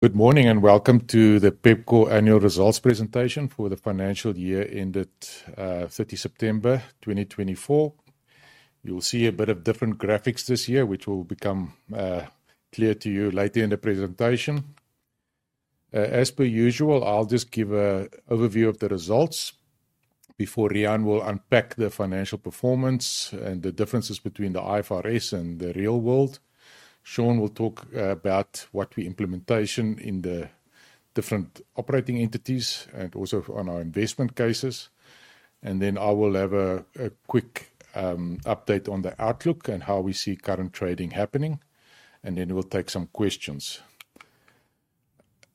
Good morning and welcome to the Pepkor Holdings annual results presentation for the financial year ended 30 September 2024. You'll see a bit of different graphics this year, which will become clear to you later in the presentation. As per usual, I'll just give an overview of the results before Riaan will unpack the financial performance and the differences between the IFRS and the real world. Sean will talk about what we implement in the different operating entities and also on our investment cases, and then I will have a quick update on the outlook and how we see current trading happening, and then we'll take some questions.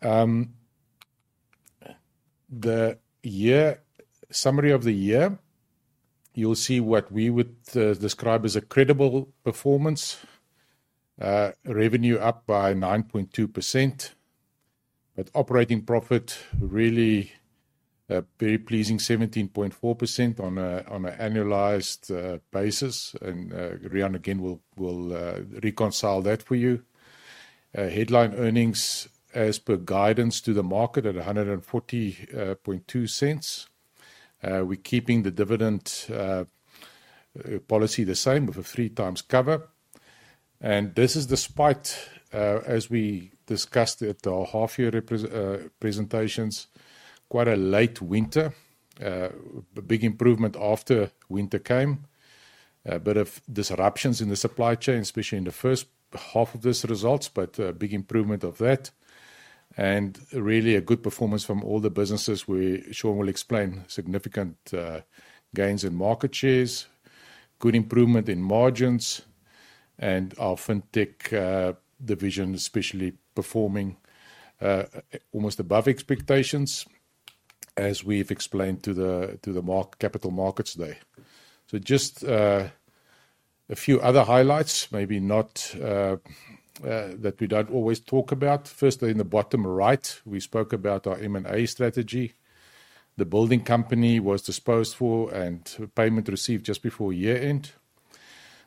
The summary of the year, you'll see what we would describe as a credible performance: revenue up by 9.2%, but operating profit really very pleasing, 17.4% on an annualized basis, and Riaan again will reconcile that for you. Headline earnings as per guidance to the market at 1.402. We're keeping the dividend policy the same with a three times cover. And this is despite, as we discussed at our half-year presentations, quite a late winter, a big improvement after winter came, a bit of disruptions in the supply chain, especially in the first half of this results, but a big improvement of that. And really a good performance from all the businesses. Sean will explain significant gains in market shares, good improvement in margins, and our fintech division especially performing almost above expectations, as we've explained to the capital markets today. So just a few other highlights, maybe not that we don't always talk about. Firstly, in the bottom right, we spoke about our M&A strategy. The Building Company was disposed of and payment received just before year-end.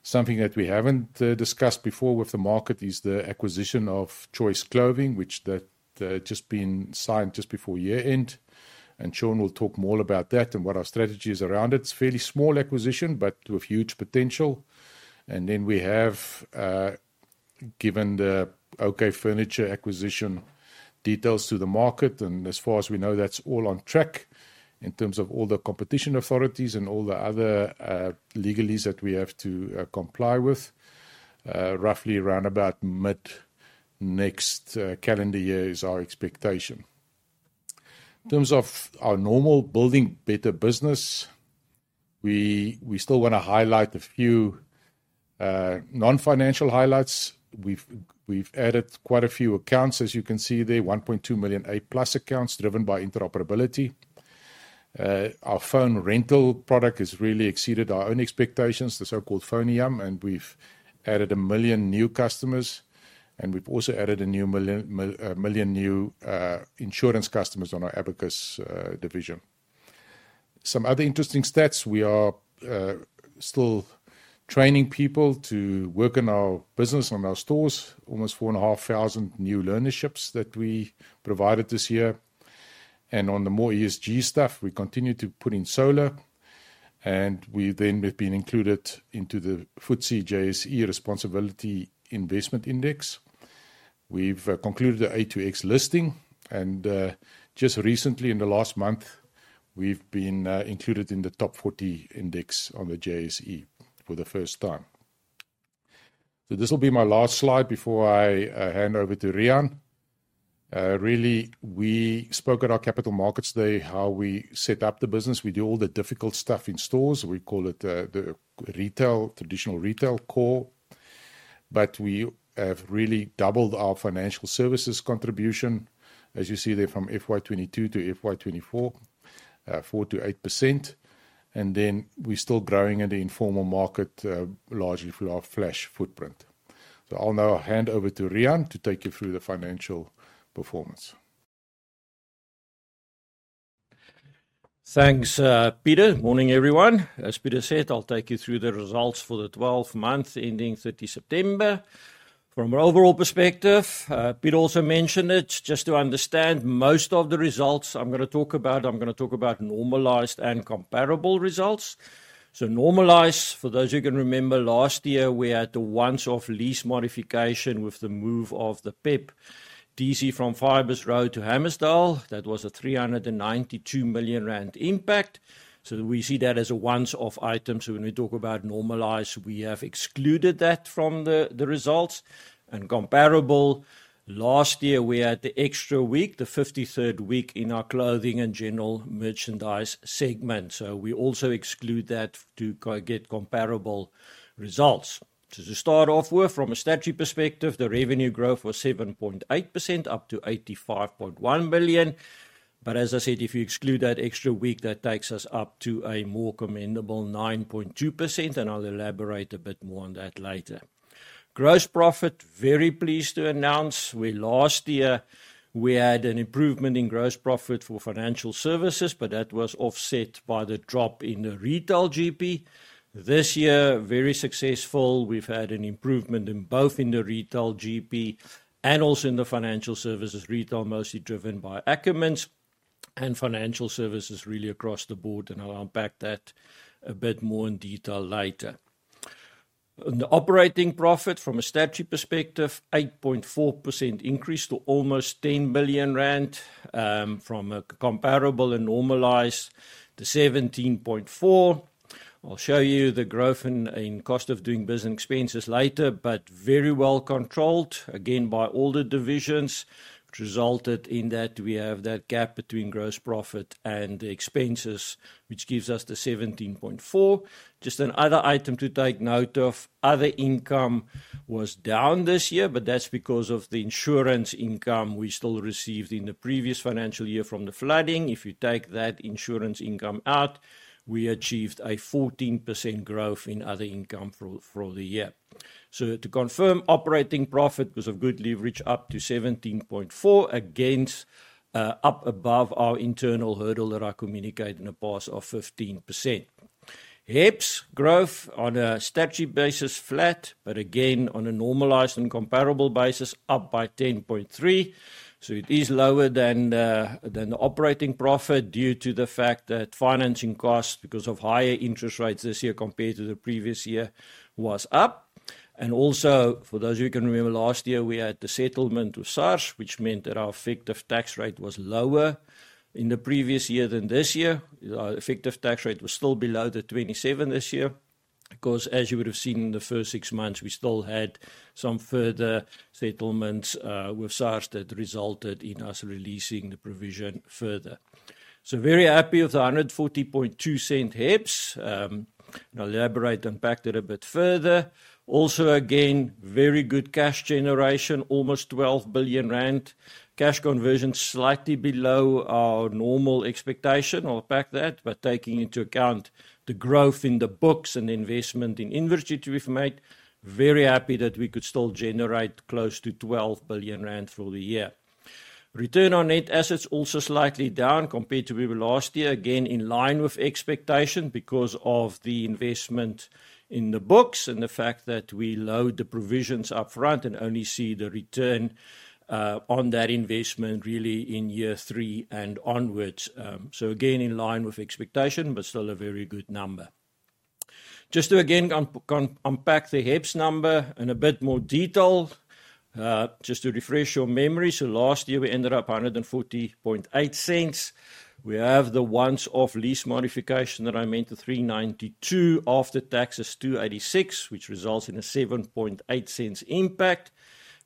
Something that we haven't discussed before with the market is the acquisition of Choice Clothing, which has just been signed just before year-end. Sean will talk more about that and what our strategy is around it. It's a fairly small acquisition, but with huge potential. We have given the OK Furniture acquisition details to the market. As far as we know, that's all on track in terms of all the competition authorities and all the other legalese that we have to comply with. Roughly around about mid next calendar year is our expectation. In terms of our normal Building Better Business, we still want to highlight a few non-financial highlights. We've added quite a few accounts, as you can see there, 1.2 million A+ accounts driven by interoperability. Our phone rental product has really exceeded our own expectations, the so-called Foneyam, and we've added a million new customers. We've also added a million new insurance customers on our Abacus division. Some other interesting stats, we are still training people to work in our business on our stores, almost four and a half thousand new learnerships that we provided this year. On the more ESG stuff, we continue to put in solar. We then have been included into the FTSE/JSE Responsible Investment Index. We've concluded the A2X listing. Just recently, in the last month, we've been included in the top 40 index on the JSE for the first time. This will be my last slide before I hand over to Riaan. Really, we spoke at our capital markets today how we set up the business. We do all the difficult stuff in stores. We call it the traditional retail core. But we have really doubled our financial services contribution, as you see there from FY22 to FY24, 4%-8%. And then we're still growing in the informal market largely through our Flash footprint. So I'll now hand over to Riaan to take you through the financial performance. Thanks, Pieter. Morning, everyone. As Pieter said, I'll take you through the results for the 12th month ending 30 September. From an overall perspective, Pieter also mentioned it, just to understand most of the results I'm going to talk about. I'm going to talk about normalized and comparable results. So normalized, for those who can remember, last year we had the once-off lease modification with the move of the Pep DC from Fibres Road to Hammarsdale. That was a 392 million rand impact. So we see that as a once-off item. So when we talk about normalized, we have excluded that from the results. And comparable, last year we had the extra week, the 53rd week in our clothing and general merchandise segment. So we also exclude that to get comparable results. To start off with, from a statutory perspective, the revenue growth was 7.8% up to 85.1 billion. But as I said, if you exclude that extra week, that takes us up to a more commendable 9.2%. I'll elaborate a bit more on that later. Gross profit, very pleased to announce. Last year, we had an improvement in gross profit for financial services, but that was offset by the drop in the retail GP. This year, very successful. We've had an improvement in both in the retail GP and also in the financial services retail, mostly driven by Ackermans and financial services really across the board. I'll unpack that a bit more in detail later. On the operating profit, from a statutory perspective, 8.4% increase to almost 10 million rand from a comparable and normalized to 17.4. I'll show you the growth in cost of doing business expenses later, but very well controlled, again, by all the divisions, which resulted in that we have that gap between gross profit and expenses, which gives us the 17.4%. Just another item to take note of, other income was down this year, but that's because of the insurance income we still received in the previous financial year from the flooding. If you take that insurance income out, we achieved a 14% growth in other income for the year. So to confirm, operating profit because of good leverage up to 17.4% against up above our internal hurdle that I communicated in the past of 15%. HEPS growth on a statutory basis, flat, but again, on a normalized and comparable basis, up by 10.3%. So it is lower than the operating profit due to the fact that financing costs because of higher interest rates this year compared to the previous year was up. And also, for those who can remember, last year we had the settlement with SARS, which meant that our effective tax rate was lower in the previous year than this year. Our effective tax rate was still below the 27% this year. Of course, as you would have seen in the first six months, we still had some further settlements with SARS that resulted in us releasing the provision further. So very happy with the 1.402 HEPS. I'll elaborate and unpack that a bit further. Also, again, very good cash generation, almost 12 billion rand. Cash conversion slightly below our normal expectation. I'll unpack that. But taking into account the growth in the books and investment in inventory we've made, very happy that we could still generate close to 12 billion rand for the year. Return on net assets also slightly down compared to maybe last year, again, in line with expectation because of the investment in the books and the fact that we load the provisions upfront and only see the return on that investment really in year three and onwards. So again, in line with expectation, but still a very good number. Just to again unpack the HEPS number in a bit more detail, just to refresh your memory. So last year, we ended up 1.408. We have the once-off lease modification that amounted to 392 after tax 286, which results in a 0.078 impact.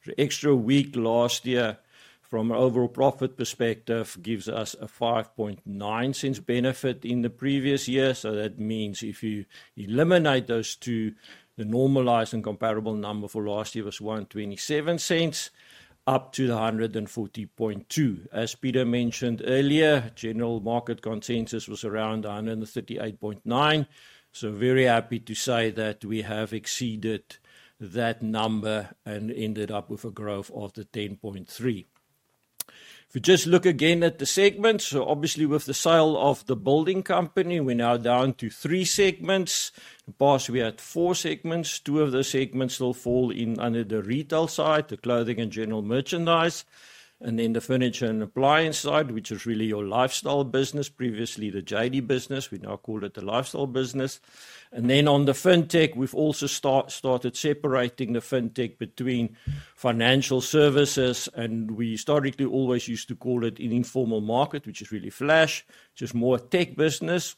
The extra week last year from an overall profit perspective gives us a 0.059 benefit in the previous year. So that means if you eliminate those two, the normalized and comparable number for last year was 1.27-1.402. As Pieter mentioned earlier, general market consensus was around 1.389. So very happy to say that we have exceeded that number and ended up with a growth of the 10.3%. If we just look again at the segments, so obviously with the sale of the Building Company, we're now down to three segments. In the past, we had four segments. Two of those segments still fall in under the retail side, the clothing and general merchandise, and then the furniture and appliance side, which is really your lifestyle business. Previously, the JD business, we now call it the lifestyle business. And then on the fintech, we've also started separating the fintech between financial services. And we historically always used to call it an informal market, which is really Flash, just more tech business.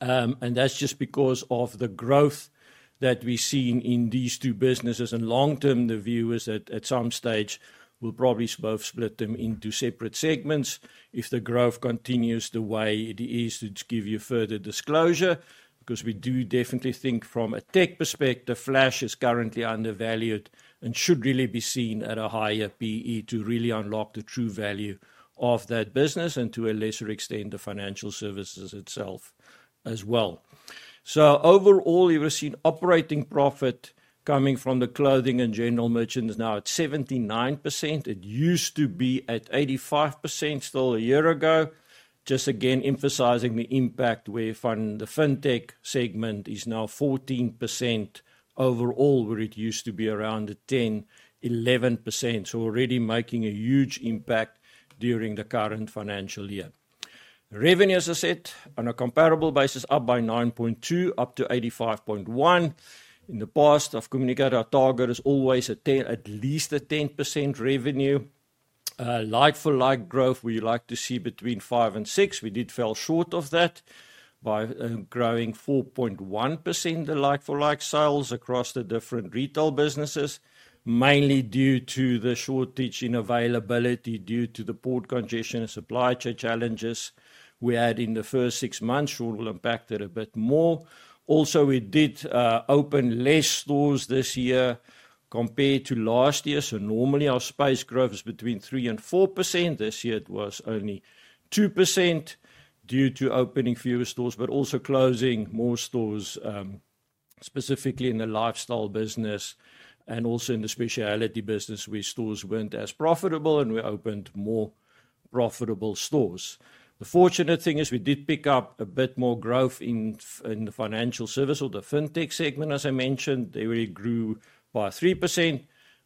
And that's just because of the growth that we've seen in these two businesses. And long term, the view is that at some stage, we'll probably both split them into separate segments if the growth continues the way it is to give you further disclosure, because we do definitely think from a tech perspective, Flash is currently undervalued and should really be seen at a higher PE to really unlock the true value of that business and to a lesser extent, the financial services itself as well. So overall, you've seen operating profit coming from the clothing and general merchandise is now at 79%. It used to be at 85% still a year ago, just again emphasizing the impact where the fintech segment is now 14% overall, where it used to be around 10%, 11%. So already making a huge impact during the current financial year. Revenue, as I said, on a comparable basis, up by 9.2%, up to 85.1. In the past, I've communicated our target is always at least a 10% revenue like-for-like growth where you like to see between five and six. We did fall short of that by growing 4.1%, the like-for-like sales across the different retail businesses, mainly due to the shortage in availability due to the port congestion and supply chain challenges we had in the first six months. We'll unpack that a bit more. Also, we did open less stores this year compared to last year. So normally, our space growth is between 3% and 4%. This year, it was only 2% due to opening fewer stores, but also closing more stores, specifically in the lifestyle business and also in the specialty business where stores weren't as profitable and we opened more profitable stores. The fortunate thing is we did pick up a bit more growth in the financial service or the fintech segment, as I mentioned. They really grew by 3%.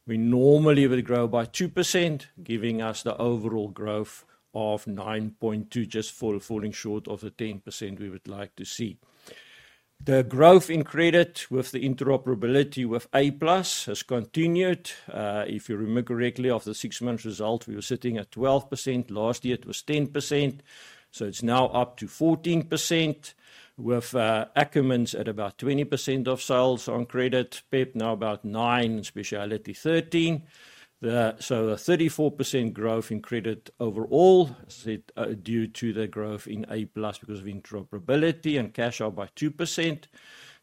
We normally would grow by 2%, giving us the overall growth of 9.2%, just falling short of the 10% we would like to see. The growth in credit with the interoperability with A+ has continued. If you remember correctly, after the six-month result, we were sitting at 12%. Last year, it was 10%. So it's now up to 14% with Ackermans at about 20% of sales on credit, Pep now about 9% and specialty 13%. So a 34% growth in credit overall, as I said, due to the growth in A+ because of interoperability and cash out by 2%.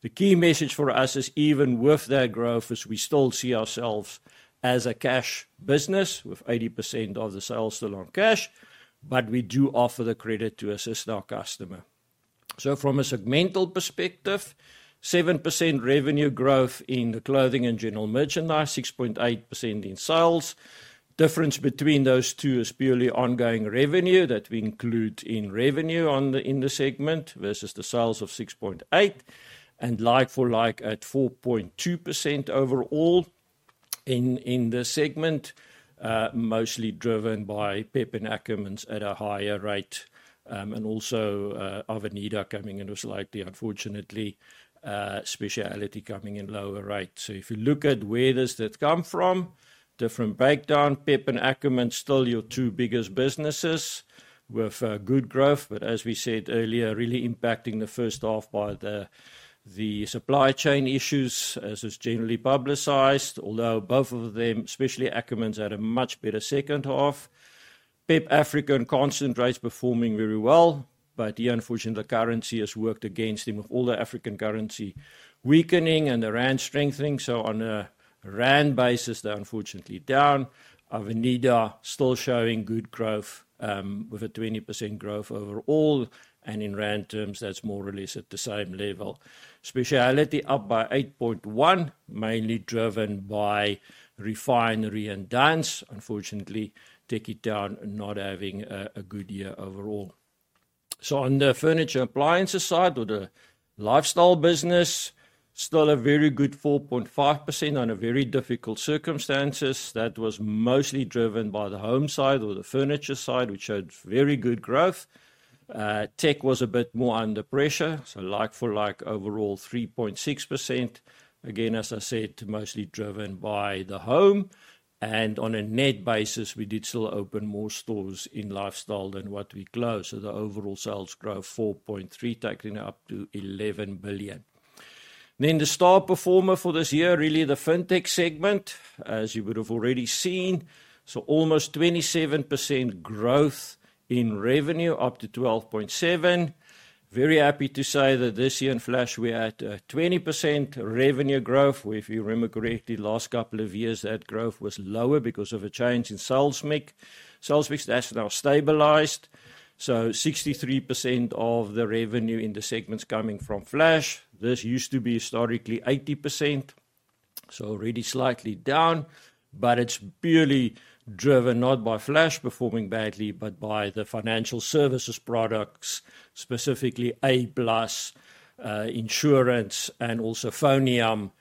The key message for us is even with that growth, we still see ourselves as a cash business with 80% of the sales still on cash, but we do offer the credit to assist our customer. So from a segmental perspective, 7% revenue growth in the clothing and general merchandise, 6.8% in sales. Difference between those two is purely ongoing revenue that we include in revenue in the segment versus the sales of 6.8% and like-for-like at 4.2% overall in the segment, mostly driven by Pep and Ackermans at a higher rate. And also Avenida coming in was likely, unfortunately, Speciality coming in lower rate. So if you look at where does that come from, different breakdown, Pep and Ackermans still your two biggest businesses with good growth, but as we said earlier, really impacting the first half by the supply chain issues, as is generally publicized, although both of them, especially Ackermans, had a much better second half. Pep Africa operations performing very well, but unfortunately, the currency has worked against them with all the African currency weakening and the rand strengthening. So on a rand basis, they're unfortunately down. Avenida still showing good growth with a 20% growth overall. And in rand terms, that's more or less at the same level. Speciality up by 8.1%, mainly driven by Refinery and Dunns. Unfortunately, Tekkie Town and not having a good year overall. So on the furniture appliances side or the lifestyle business, still a very good 4.5% on a very difficult circumstances. That was mostly driven by the home side or the furniture side, which showed very good growth. Tech was a bit more under pressure, so like-for-like overall, 3.6%. Again, as I said, mostly driven by the home. And on a net basis, we did still open more stores in lifestyle than what we closed, so the overall sales growth, 4.3%, taking it up to 11 billion. Then the star performer for this year, really the fintech segment, as you would have already seen, so almost 27% growth in revenue, up to 12.7 billion. Very happy to say that this year in Flash, we had a 20% revenue growth. If you remember correctly, last couple of years, that growth was lower because of a change in sales mix. Sales mix, that's now stabilized. So 63% of the revenue in the segments coming from Flash. This used to be historically 80%. Already slightly down, but it's purely driven not by Flash performing badly, but by the financial services products, specifically A+, insurance, and also Foneyam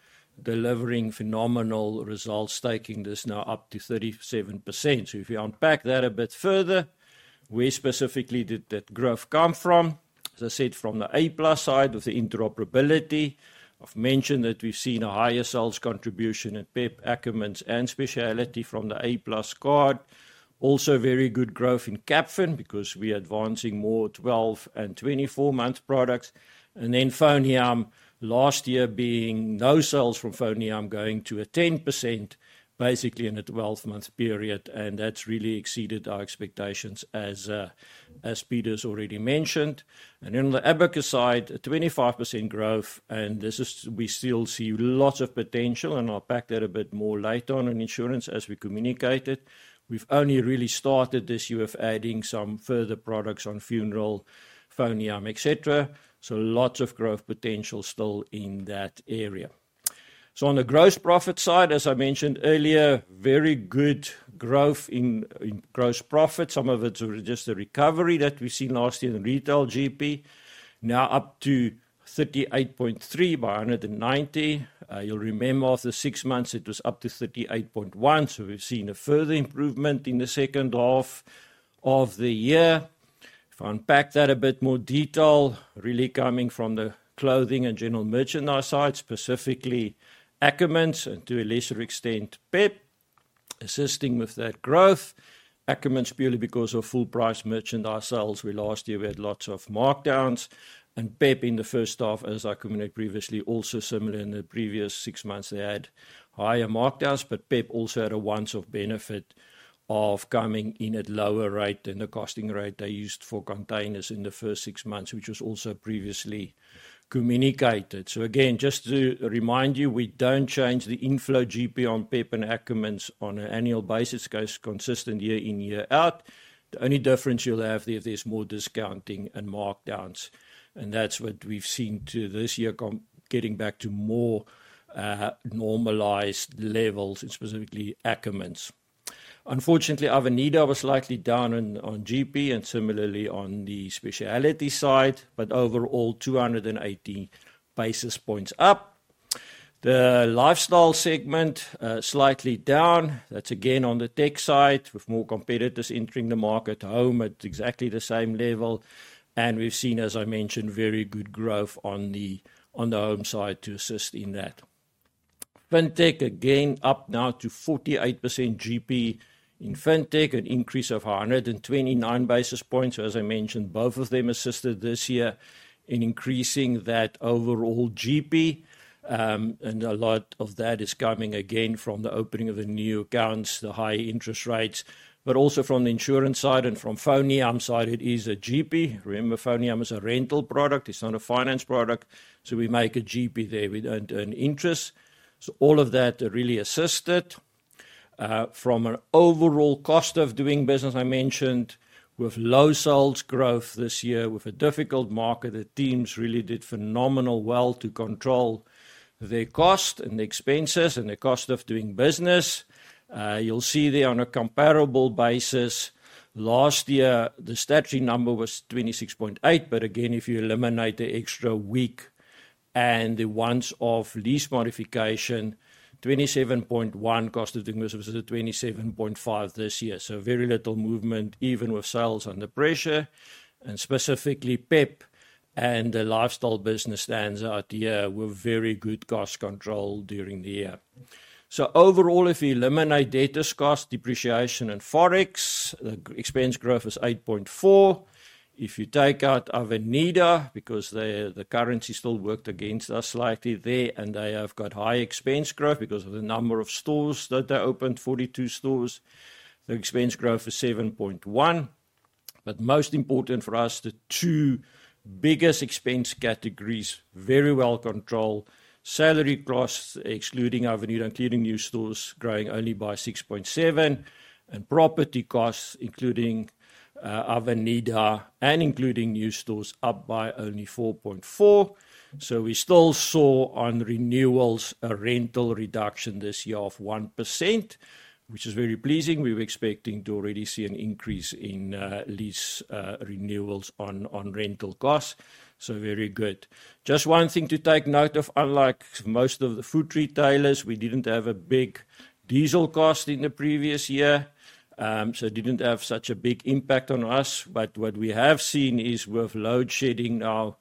delivering phenomenal results, taking this now up to 37%. If you unpack that a bit further, where specifically did that growth come from? As I said, from the A+ side with the interoperability. I've mentioned that we've seen a higher sales contribution in Pep, Ackermans, and Speciality from the A+ card. Also very good growth in Capfin because we're advancing more 12- and 24-month products. Then Foneyam, last year being no sales from Foneyam going to a 10% basically in a 12-month period. That's really exceeded our expectations as Pieter has already mentioned. Then on the Abacus side, a 25% growth. This is we still see lots of potential. I'll pack that a bit more later on insurance as we communicate it. We've only really started this year with adding some further products on Funeral, Foneyam, etc. So lots of growth potential still in that area. So on the gross profit side, as I mentioned earlier, very good growth in gross profit. Some of it is just the recovery that we've seen last year in retail GP. Now up to 38.3% by 190 basis points. You'll remember after six months, it was up to 38.1%. So we've seen a further improvement in the second half of the year. If I unpack that a bit more detail, really coming from the clothing and general merchandise side, specifically Ackermans and to a lesser extent Pep, assisting with that growth. Ackermans purely because of full-price merchandise sales. Last year, we had lots of markdowns. Pep in the first half, as I communicated previously, also similar in the previous six months, they had higher markdowns. Pep also had a once-off benefit of coming in at lower rate than the costing rate they used for containers in the first six months, which was also previously communicated. Again, just to remind you, we don't change the inflow GP on Pep and Ackermans on an annual basis. It goes consistent year in, year out. The only difference you'll have there is more discounting and markdowns. That's what we've seen to this year, getting back to more normalized levels and specifically Ackermans. Unfortunately, Avenida was slightly down on GP and similarly on the specialty side, but overall 218 basis points up. The lifestyle segment slightly down. That's again on the tech side with more competitors entering the market at home at exactly the same level. And we've seen, as I mentioned, very good growth on the home side to assist in that. Fintech, again, up now to 48% GP in fintech, an increase of 129 basis points. As I mentioned, both of them assisted this year in increasing that overall GP. And a lot of that is coming again from the opening of the new accounts, the high interest rates, but also from the insurance side and from Foneyam side, it is a GP. Remember, Foneyam is a rental product. It's not a finance product. So we make a GP there. We don't earn interest. So all of that really assisted. From an overall cost of doing business, I mentioned with low sales growth this year with a difficult market, the teams really did phenomenal well to control their cost and the expenses and the cost of doing business. You'll see there on a comparable basis, last year, the statutory number was 26.8%, but again, if you eliminate the extra week and the once-off lease modification, 27.1%. Cost of doing business was at 27.5% this year. So very little movement even with sales under pressure, and specifically Pep and the lifestyle business stands out here with very good cost control during the year. So overall, if you eliminate debtors cost, depreciation, and forex, the expense growth is 8.4%. If you take out Avenida, because the currency still worked against us slightly there, and they have got high expense growth because of the number of stores that they opened, 42 stores, the expense growth is 7.1%. But most important for us, the two biggest expense categories very well controlled. Salary costs, excluding Avenida and including new stores, growing only by 6.7%. Property costs, including Avenida and including new stores, up by only 4.4%. We still saw on renewals a rental reduction this year of 1%, which is very pleasing. We were expecting to already see an increase in lease renewals on rental costs. Very good. Just one thing to take note of, unlike most of the food retailers, we didn't have a big diesel cost in the previous year. It didn't have such a big impact on us. But what we have seen is with load shedding now,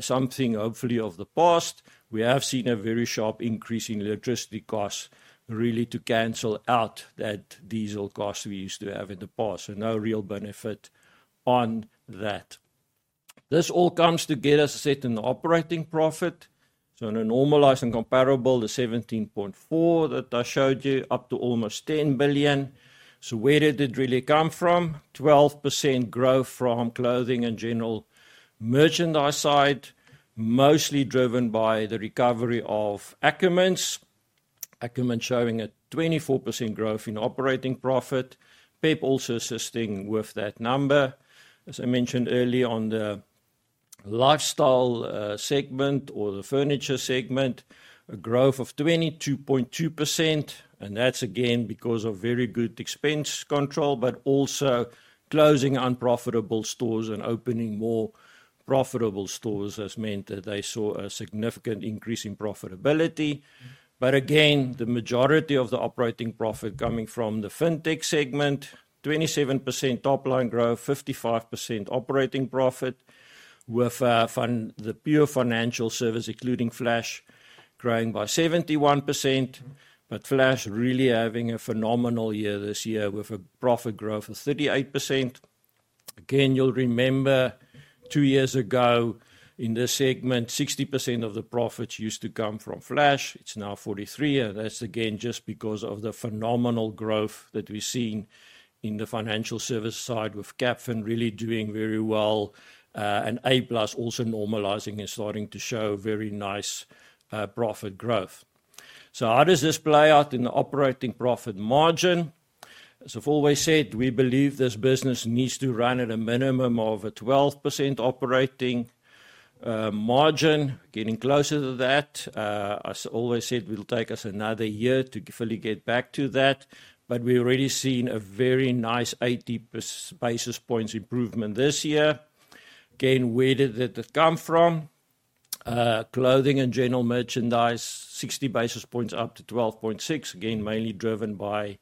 something hopefully of the past, we have seen a very sharp increase in electricity costs, really to cancel out that diesel cost we used to have in the past. No real benefit on that. This all comes together, as I said, in the operating profit. On a normalized and comparable, the 17.4 that I showed you up to almost 10 billion. Where did it really come from? 12% growth from clothing and general merchandise side, mostly driven by the recovery of Ackermans. Ackermans showing a 24% growth in operating profit. Pep also assisting with that number. As I mentioned earlier on the lifestyle segment or the furniture segment, a growth of 22.2%. That's again because of very good expense control, but also closing unprofitable stores and opening more profitable stores has meant that they saw a significant increase in profitability. Again, the majority of the operating profit coming from the fintech segment, 27% top line growth, 55% operating profit with the pure financial service, including Flash, growing by 71%. Flash really having a phenomenal year this year with a profit growth of 38%. Again, you'll remember two years ago in this segment, 60% of the profits used to come from Flash. It's now 43%. And that's again just because of the phenomenal growth that we've seen in the financial service side with Capfin really doing very well and A+ also normalizing and starting to show very nice profit growth. So how does this play out in the operating profit margin? As I've always said, we believe this business needs to run at a minimum of a 12% operating margin, getting closer to that. As I always said, it will take us another year to fully get back to that. But we've already seen a very nice 80 basis points improvement this year. Again, where did that come from? Clothing and general merchandise, 60 basis points up to 12.6%. Again, mainly driven by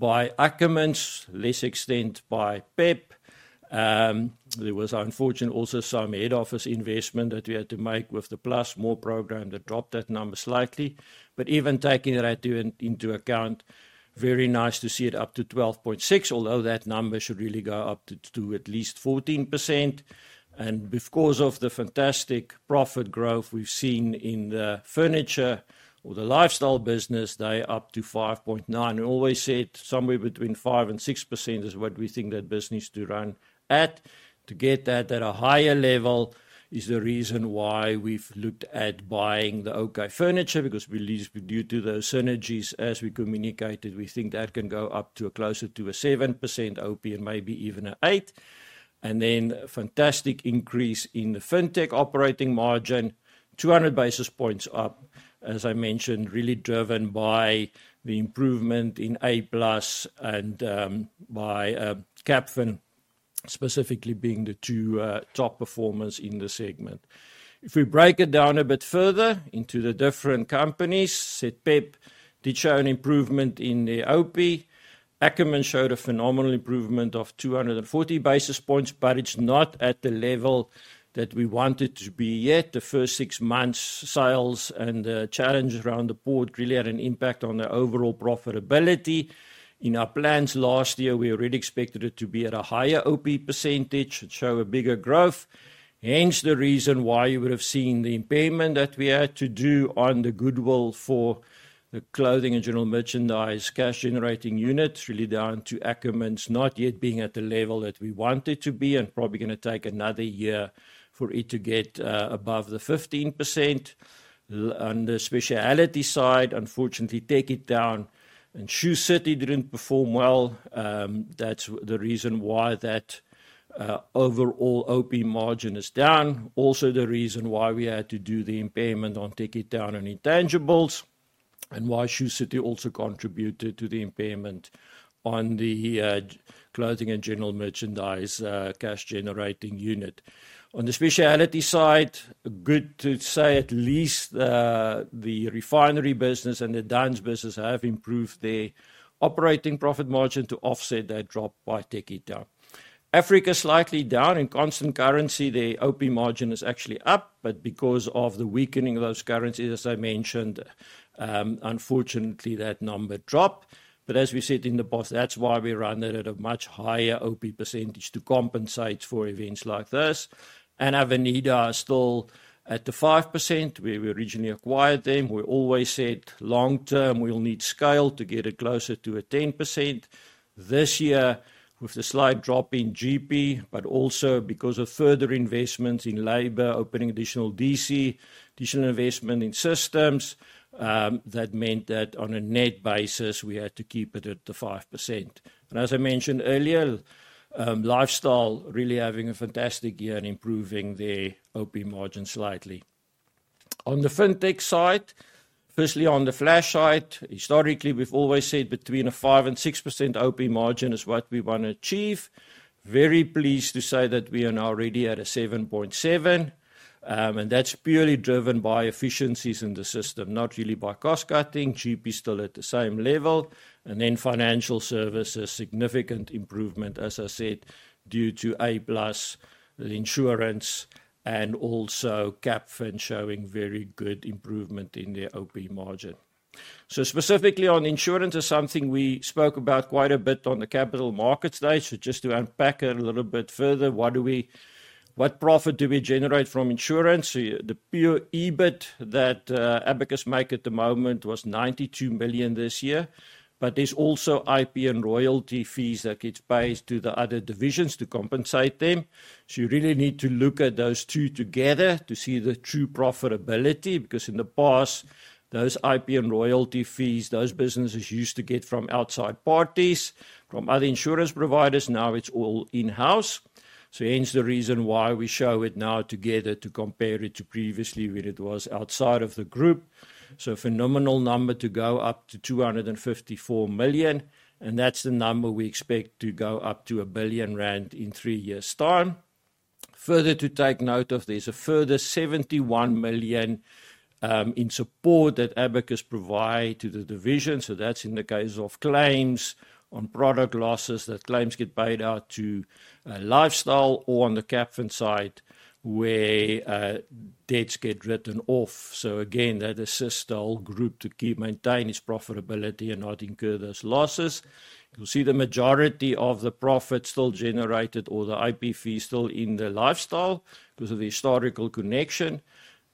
Ackermans, less extent by Pep. There was unfortunately also some head office investment that we had to make with the Plus More program that dropped that number slightly, but even taking that into account, very nice to see it up to 12.6%, although that number should really go up to at least 14%, and because of the fantastic profit growth we've seen in the furniture or the lifestyle business, they're up to 5.9%. We always said somewhere between 5% and 6% is what we think that business needs to run at. To get that at a higher level is the reason why we've looked at buying the OK Furniture because we see due to those synergies as we communicated. We think that can go up to closer to a 7% OP and maybe even an 8%. And then fantastic increase in the fintech operating margin, 200 basis points up, as I mentioned, really driven by the improvement in A+ and by Capfin, specifically being the two top performers in the segment. If we break it down a bit further into the different companies, I said Pep did show an improvement in the OP. Ackermans showed a phenomenal improvement of 240 basis points, but it's not at the level that we wanted to be yet. The first six months' sales and the challenge around the board really had an impact on the overall profitability. In our plans last year, we already expected it to be at a higher OP percentage and show a bigger growth. Hence the reason why you would have seen the impairment that we had to do on the goodwill for the clothing and general merchandise cash generating unit, really down to Ackermans, not yet being at the level that we wanted to be and probably going to take another year for it to get above the 15%. On the specialty side, unfortunately, Tekkie Town and Shoe City didn't perform well. That's the reason why that overall OP margin is down. Also the reason why we had to do the impairment on Tekkie Town and intangibles and why Shoe City also contributed to the impairment on the clothing and general merchandise cash generating unit. On the specialty side, good to say at least the Refinery business and the Dunns business have improved their operating profit margin to offset that drop by Tekkie Town. Africa slightly down in constant currency. The OP margin is actually up, but because of the weakening of those currencies, as I mentioned, unfortunately that number dropped. But as we said in the past, that's why we run it at a much higher OP percentage to compensate for events like this. And Avenida is still at the 5% where we originally acquired them. We always said long-term we'll need scale to get it closer to a 10% this year with the slight drop in GP, but also because of further investments in labor, opening additional DC, additional investment in systems. That meant that on a net basis, we had to keep it at the 5%. And as I mentioned earlier, lifestyle really having a fantastic year and improving their OP margin slightly. On the fintech side, firstly on the Flash side, historically we've always said between a 5% and 6% OP margin is what we want to achieve. Very pleased to say that we are now ready at a 7.7%. And that's purely driven by efficiencies in the system, not really by cost cutting. GP is still at the same level. And then financial services, significant improvement, as I said, due to A+ insurance and also Capfin showing very good improvement in their OP margin. So specifically on insurance is something we spoke about quite a bit on the capital markets day. So just to unpack it a little bit further, what do we, what profit do we generate from insurance? The pure EBIT that Abacus make at the moment was 92 million this year. But there's also IP and royalty fees that get paid to the other divisions to compensate them. You really need to look at those two together to see the true profitability because in the past, those IP and royalty fees, those businesses used to get from outside parties, from other insurance providers. Now it's all in-house. Hence the reason why we show it now together to compare it to previously when it was outside of the group. A phenomenal number to go up to 254 million. That's the number we expect to go up to 1 billion rand in three years' time. Further to take note of, there's a further 71 million in support that Abacus provide to the division. That's in the case of claims on product losses that claims get paid out to lifestyle or on the Capfin side where debts get written off. Again, that assists the whole group to keep, maintain its profitability and not incur those losses. You'll see the majority of the profit still generated or the IP fee still in the Lifestyle because of the historical Connect.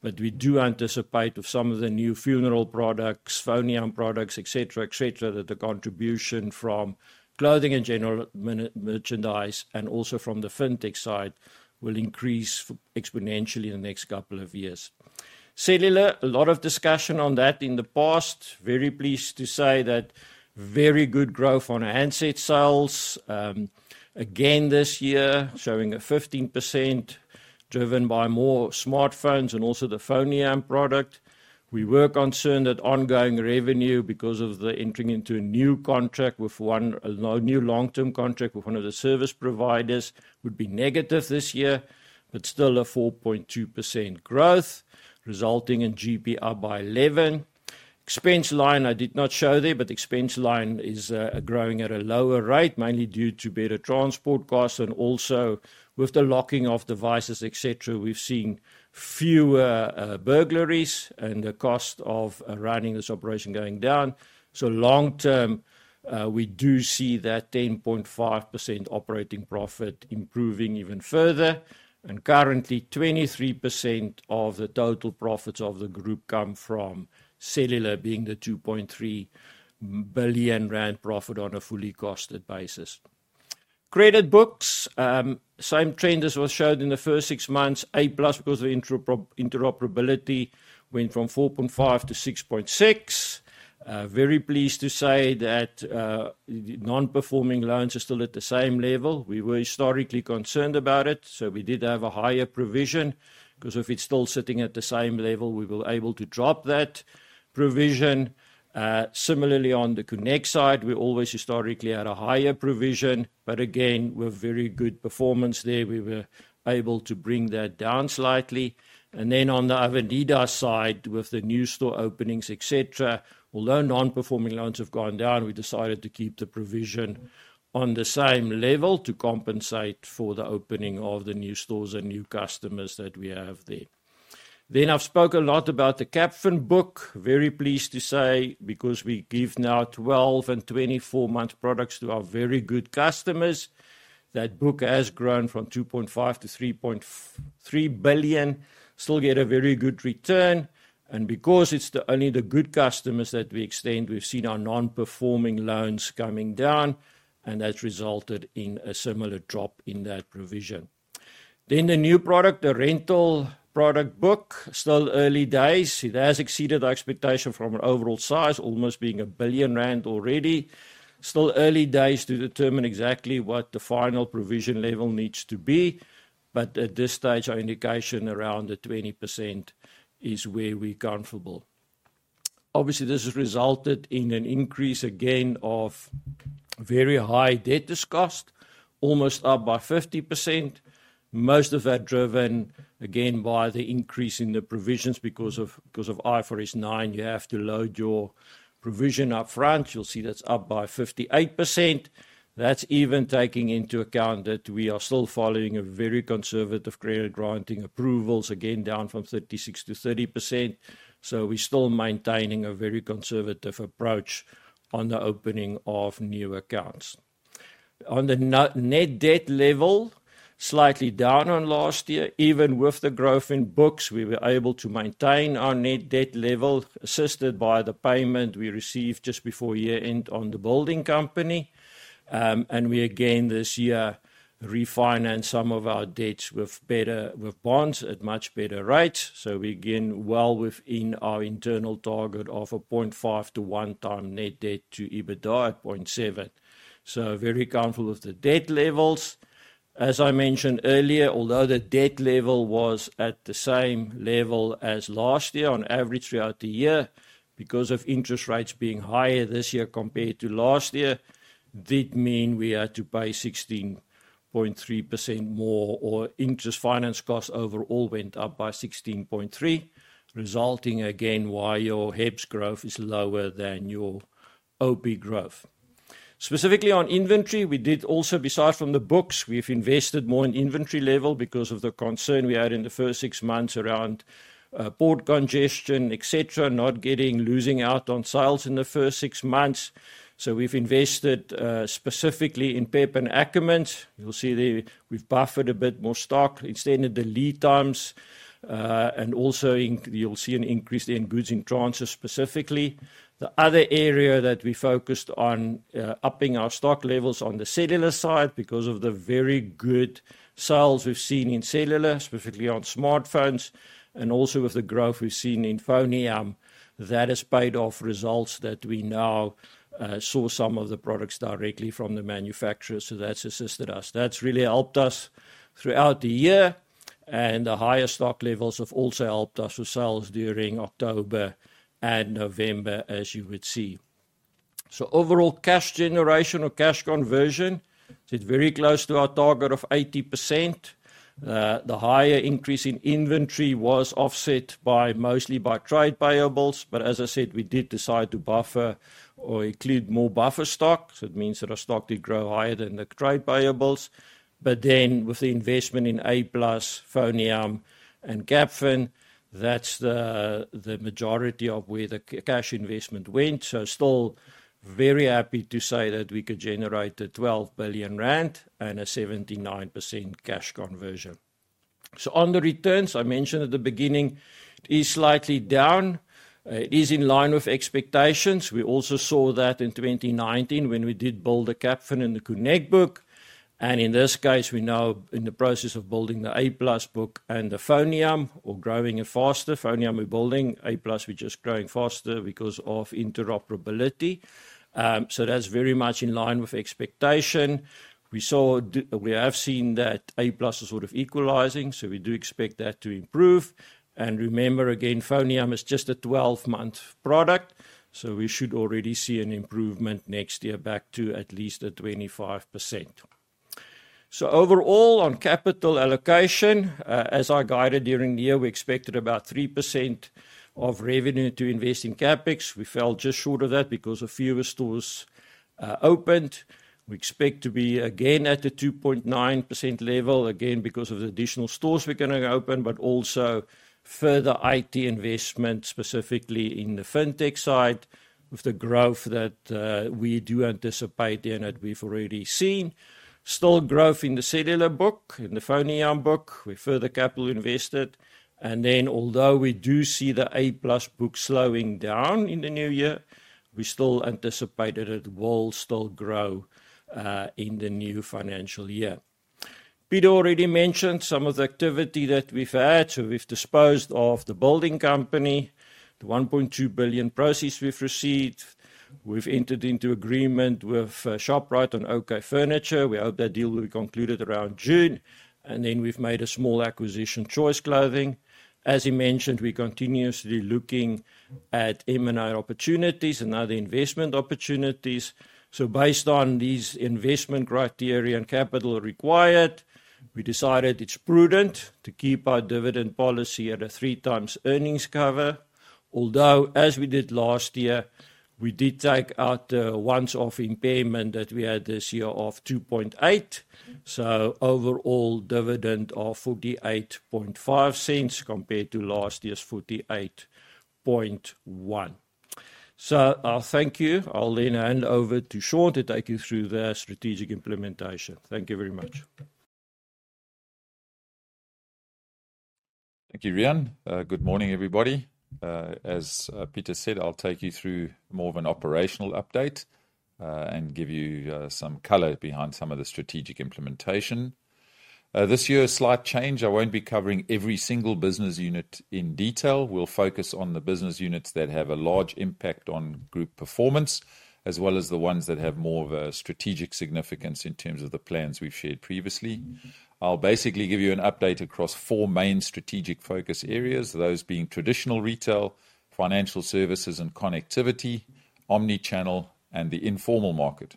But we do anticipate with some of the new financial products, Foneyam products, etc., etc., that the contribution from clothing and general merchandise and also from the fintech side will increase exponentially in the next couple of years. Cellular, a lot of discussion on that in the past. Very pleased to say that very good growth on handset sales. Again, this year showing 15% driven by more smartphones and also the Foneyam product. We were concerned that ongoing revenue, because of the entering into a new contract with one new long-term contract with one of the service providers, would be negative this year, but still a 4.2% growth resulting in GP up by 11. Expense line, I did not show there, but expense line is growing at a lower rate, mainly due to better transport costs and also with the locking of devices, etc. We've seen fewer burglaries and the cost of running this operation going down. Long term, we do see that 10.5% operating profit improving even further. Currently, 23% of the total profits of the group come from cellular, being the 2.3 billion rand profit on a fully costed basis. Credit books, same trend as was showed in the first six months. A+ because of interoperability went from 4.5-6.6. Very pleased to say that non-performing loans are still at the same level. We were historically concerned about it. So we did have a higher provision because if it's still sitting at the same level, we were able to drop that provision. Similarly, on the Connect side, we always historically had a higher provision. But again, with very good performance there, we were able to bring that down slightly. And then on the Avenida side with the new store openings, etc., although non-performing loans have gone down, we decided to keep the provision on the same level to compensate for the opening of the new stores and new customers that we have there. Then I've spoke a lot about the Capfin book. Very pleased to say because we give now 12- and 24-month products to our very good customers. That book has grown from 2.5 billion to 3.3 billion, still get a very good return. And because it's only the good customers that we extend, we've seen our non-performing loans coming down. And that's resulted in a similar drop in that provision. Then the new product, the rental product book, still early days. It has exceeded our expectation from an overall size, almost 1 billion rand already. Still early days to determine exactly what the final provision level needs to be. But at this stage, our indication around 20% is where we're comfortable. Obviously, this has resulted in an increase again in bad debt provision, almost up by 50%. Most of that driven again by the increase in the provisions because of IFRS 9. You have to load your provision up front. You'll see that's up by 58%. That's even taking into account that we are still following a very conservative credit granting approvals, again down from 36% to 30%. So we're still maintaining a very conservative approach on the opening of new accounts. On the net debt level, slightly down on last year. Even with the growth in books, we were able to maintain our net debt level assisted by the payment we received just before year-end on the building company. And we again this year refinanced some of our debts with better bonds at much better rates. So we're again well within our internal target of a 0.5 to 1 time net debt to EBITDA at 0.7. So very comfortable with the debt levels. As I mentioned earlier, although the debt level was at the same level as last year on average throughout the year, because of interest rates being higher this year compared to last year, it did mean we had to pay 16.3% more in interest. Finance costs overall went up by 16.3%, resulting again in why your HEPS growth is lower than your OP growth. Specifically on inventory, we did also, besides from the books, we've invested more in inventory level because of the concern we had in the first six months around port congestion, etc., not losing out on sales in the first six months. So we've invested specifically in Pep and Ackermans. You'll see there we've buffered a bit more stock instead of the lead times. And also you'll see an increase in goods in transit specifically. The other area that we focused on upping our stock levels on the cellular side because of the very good sales we've seen in cellular, specifically on smartphones, and also with the growth we've seen in Foneyam, that has paid off results that we now source some of the products directly from the manufacturers, so that's assisted us. That's really helped us throughout the year, and the higher stock levels have also helped us with sales during October and November, as you would see. Overall cash generation or cash conversion is very close to our target of 80%. The higher increase in inventory was offset mostly by trade payables, but as I said, we did decide to buffer or include more buffer stock, so it means that our stock did grow higher than the trade payables. But then with the investment in A+, Foneyam and Capfin, that's the majority of where the cash investment went. So still very happy to say that we could generate 12 billion rand and a 79% cash conversion. So on the returns, I mentioned at the beginning, it is slightly down. It is in line with expectations. We also saw that in 2019 when we did build the Capfin and the Connect book. And in this case, we're now in the process of building the A+ book and the Foneyam or growing it faster. Foneyam we're building. A+, we're just growing faster because of interoperability. So that's very much in line with expectation. We have seen that A+ is sort of equalizing. So we do expect that to improve. And remember again, Foneyam is just a 12-month product. So we should already see an improvement next year back to at least a 25%, so overall on capital allocation, as I guided during the year, we expected about 3% of revenue to invest in CapEx. We fell just short of that because a few stores opened. We expect to be again at the 2.9% level again because of the additional stores we're going to open, but also further IT investment specifically in the fintech side with the growth that we do anticipate there that we've already seen. Still growth in the cellular book, in the Foneyam book. We further capital invested. And then although we do see the A+ book slowing down in the new year, we still anticipate that it will still grow in the new financial year. Pieter already mentioned some of the activity that we've had. So we've disposed of The Building Company, the 1.2 billion proceeds we've received. We've entered into agreement with Shoprite on OK Furniture. We hope that deal will be concluded around June. And then we've made a small acquisition Choice Clothing. As he mentioned, we're continuously looking at M&A opportunities and other investment opportunities. So based on these investment criteria and capital required, we decided it's prudent to keep our dividend policy at a three-times earnings cover. Although, as we did last year, we did take out the one-off impairment that we had this year of 2.8 billion. So overall dividend of 0.485 compared to last year's 0.481. So I'll thank you. I'll then hand over to Sean to take you through the strategic implementation. Thank you very much. Thank you, Riaan. Good morning, everybody. As Pieter said, I'll take you through more of an operational update and give you some color behind some of the strategic implementation. This year, a slight change. I won't be covering every single business unit in detail. We'll focus on the business units that have a large impact on group performance, as well as the ones that have more of a strategic significance in terms of the plans we've shared previously. I'll basically give you an update across four main strategic focus areas, those being traditional retail, financial services and connectivity, omnichannel, and the informal market.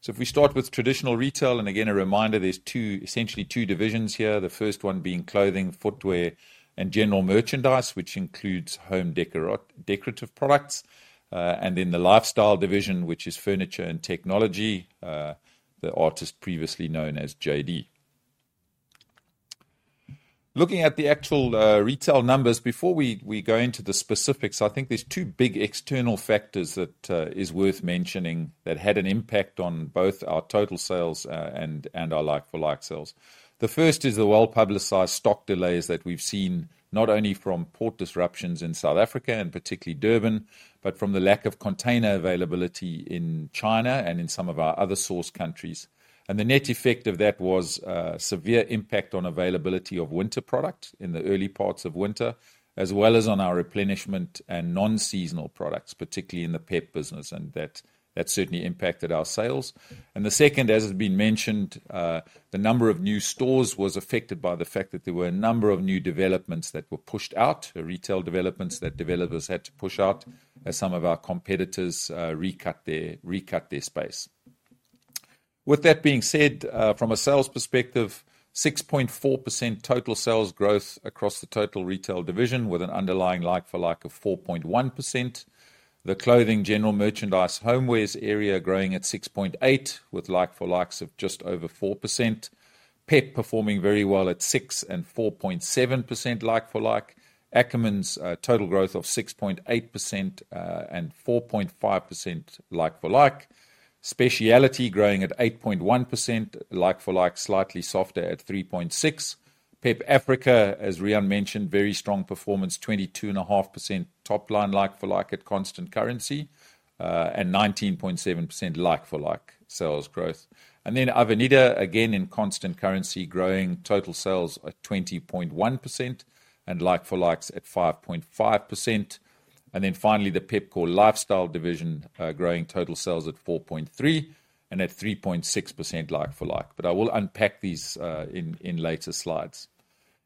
So if we start with traditional retail, and again, a reminder, there's essentially two divisions here, the first one being clothing, footwear, and general merchandise, which includes home decorative products, and then the lifestyle division, which is furniture and technology, the artist previously known as JD. Looking at the actual retail numbers, before we go into the specifics, I think there's two big external factors that are worth mentioning that had an impact on both our total sales and our like-for-like sales. The first is the well-publicized stock delays that we've seen not only from port disruptions in South Africa and particularly Durban, but from the lack of container availability in China and in some of our other source countries, and the net effect of that was a severe impact on availability of winter product in the early parts of winter, as well as on our replenishment and non-seasonal products, particularly in the Pep business, and that certainly impacted our sales. And the second, as has been mentioned, the number of new stores was affected by the fact that there were a number of new developments that were pushed out, retail developments that developers had to push out as some of our competitors recut their space. With that being said, from a sales perspective, 6.4% total sales growth across the total retail division with an underlying like-for-like of 4.1%. The clothing, general merchandise, homewares area growing at 6.8% with like-for-likes of just over 4%. Pep performing very well at 6% and 4.7% like-for-like. Ackermans total growth of 6.8% and 4.5% like-for-like. Speciality growing at 8.1%, like-for-like slightly softer at 3.6%. Pep Africa, as Riaan mentioned, very strong performance, 22.5% top line like-for-like at constant currency and 19.7% like-for-like sales growth. And then Avenida, again in constant currency, growing total sales at 20.1% and like-for-likes at 5.5%. And then finally, the Pepkor Lifestyle division growing total sales at 4.3% and at 3.6% like-for-like. But I will unpack these in later slides.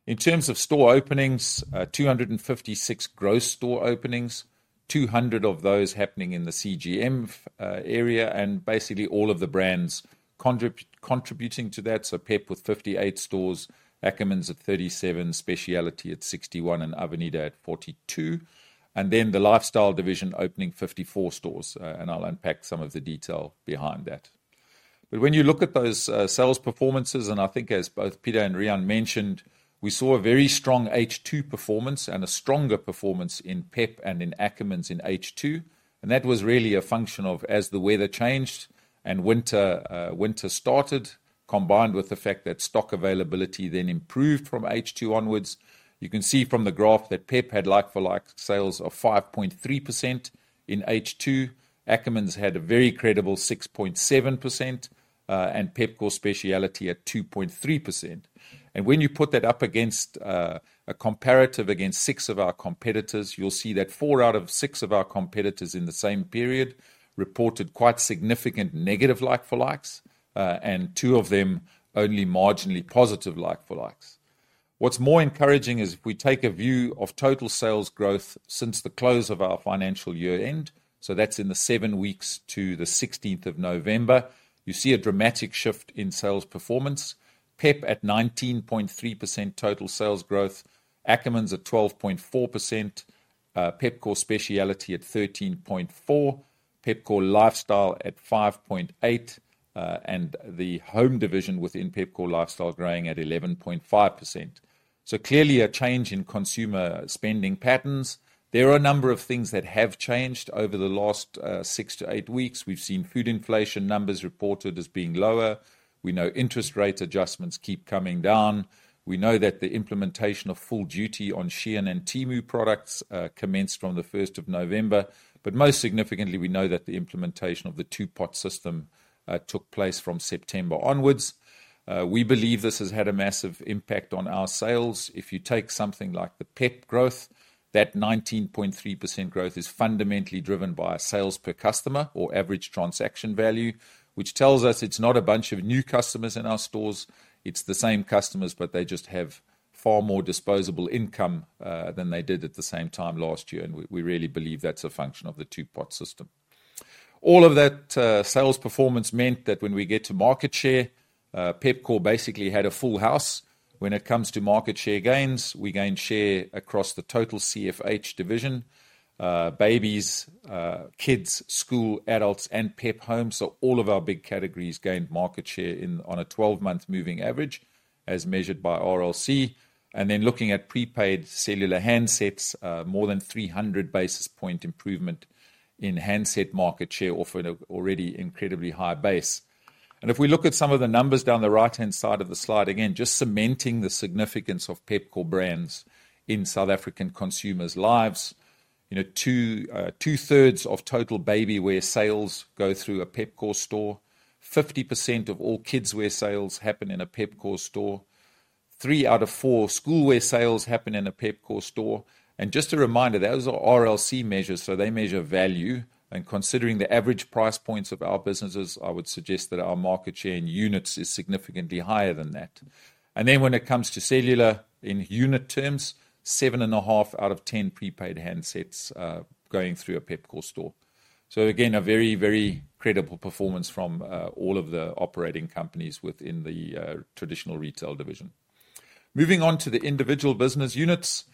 In terms of store openings, 256 gross store openings, 200 of those happening in the CGM area and basically all of the brands contributing to that. So Pep with 58 stores, Ackermans at 37, Speciality at 61, and Avenida at 42. And then the lifestyle division opening 54 stores, and I'll unpack some of the detail behind that. But when you look at those sales performances, and I think as both Pieter and Riaan mentioned, we saw a very strong H2 performance and a stronger performance in Pep and in Ackermans in H2. And that was really a function of as the weather changed and winter started, combined with the fact that stock availability then improved from H2 onwards. You can see from the graph that Pep had like-for-like sales of 5.3% in H2. Ackermans had a very credible 6.7% and Pepkor Speciality at 2.3%. When you put that up against a comparative against six of our competitors, you'll see that four out of six of our competitors in the same period reported quite significant negative like-for-likes and two of them only marginally positive like-for-likes. What's more encouraging is if we take a view of total sales growth since the close of our financial year end, so that's in the seven weeks to the 16th of November, you see a dramatic shift in sales performance. Pep at 19.3% total sales growth, Ackermans at 12.4%, Pepkor Speciality at 13.4%, Pepkor Lifestyle at 5.8%, and the home division within Pepkor Lifestyle growing at 11.5%. Clearly a change in consumer spending patterns. There are a number of things that have changed over the last six to eight weeks. We've seen food inflation numbers reported as being lower. We know interest rate adjustments keep coming down. We know that the implementation of full duty on SHEIN and Temu products commenced from the 1st of November. But most significantly, we know that the implementation of the two-pot system took place from September onwards. We believe this has had a massive impact on our sales. If you take something like the Pep growth, that 19.3% growth is fundamentally driven by our sales per customer or average transaction value, which tells us it's not a bunch of new customers in our stores. It's the same customers, but they just have far more disposable income than they did at the same time last year. And we really believe that's a function of the two-pot system. All of that sales performance meant that when we get to market share, Pepkor basically had a full house. When it comes to market share gains, we gained share across the total CFH division, babies, kids, school, adults, and Pep Homes. So all of our big categories gained market share on a 12-month moving average as measured by RLC. And then looking at prepaid cellular handsets, more than 300 basis point improvement in handset market share off an already incredibly high base. And if we look at some of the numbers down the right-hand side of the slide, again, just cementing the significance of Pepkor brands in South African consumers' lives, two-thirds of total baby wear sales go through a Pepkor store, 50% of all kids wear sales happen in a Pepkor store, three out of four school wear sales happen in a Pepkor store. Just a reminder, those are RLC measures, so they measure value. Considering the average price points of our businesses, I would suggest that our market share in units is significantly higher than that. When it comes to cellular in unit terms, seven and a half out of ten prepaid handsets going through a Pepkor store. Again, a very, very credible performance from all of the operating companies within the traditional retail division. Moving on to the individual business units,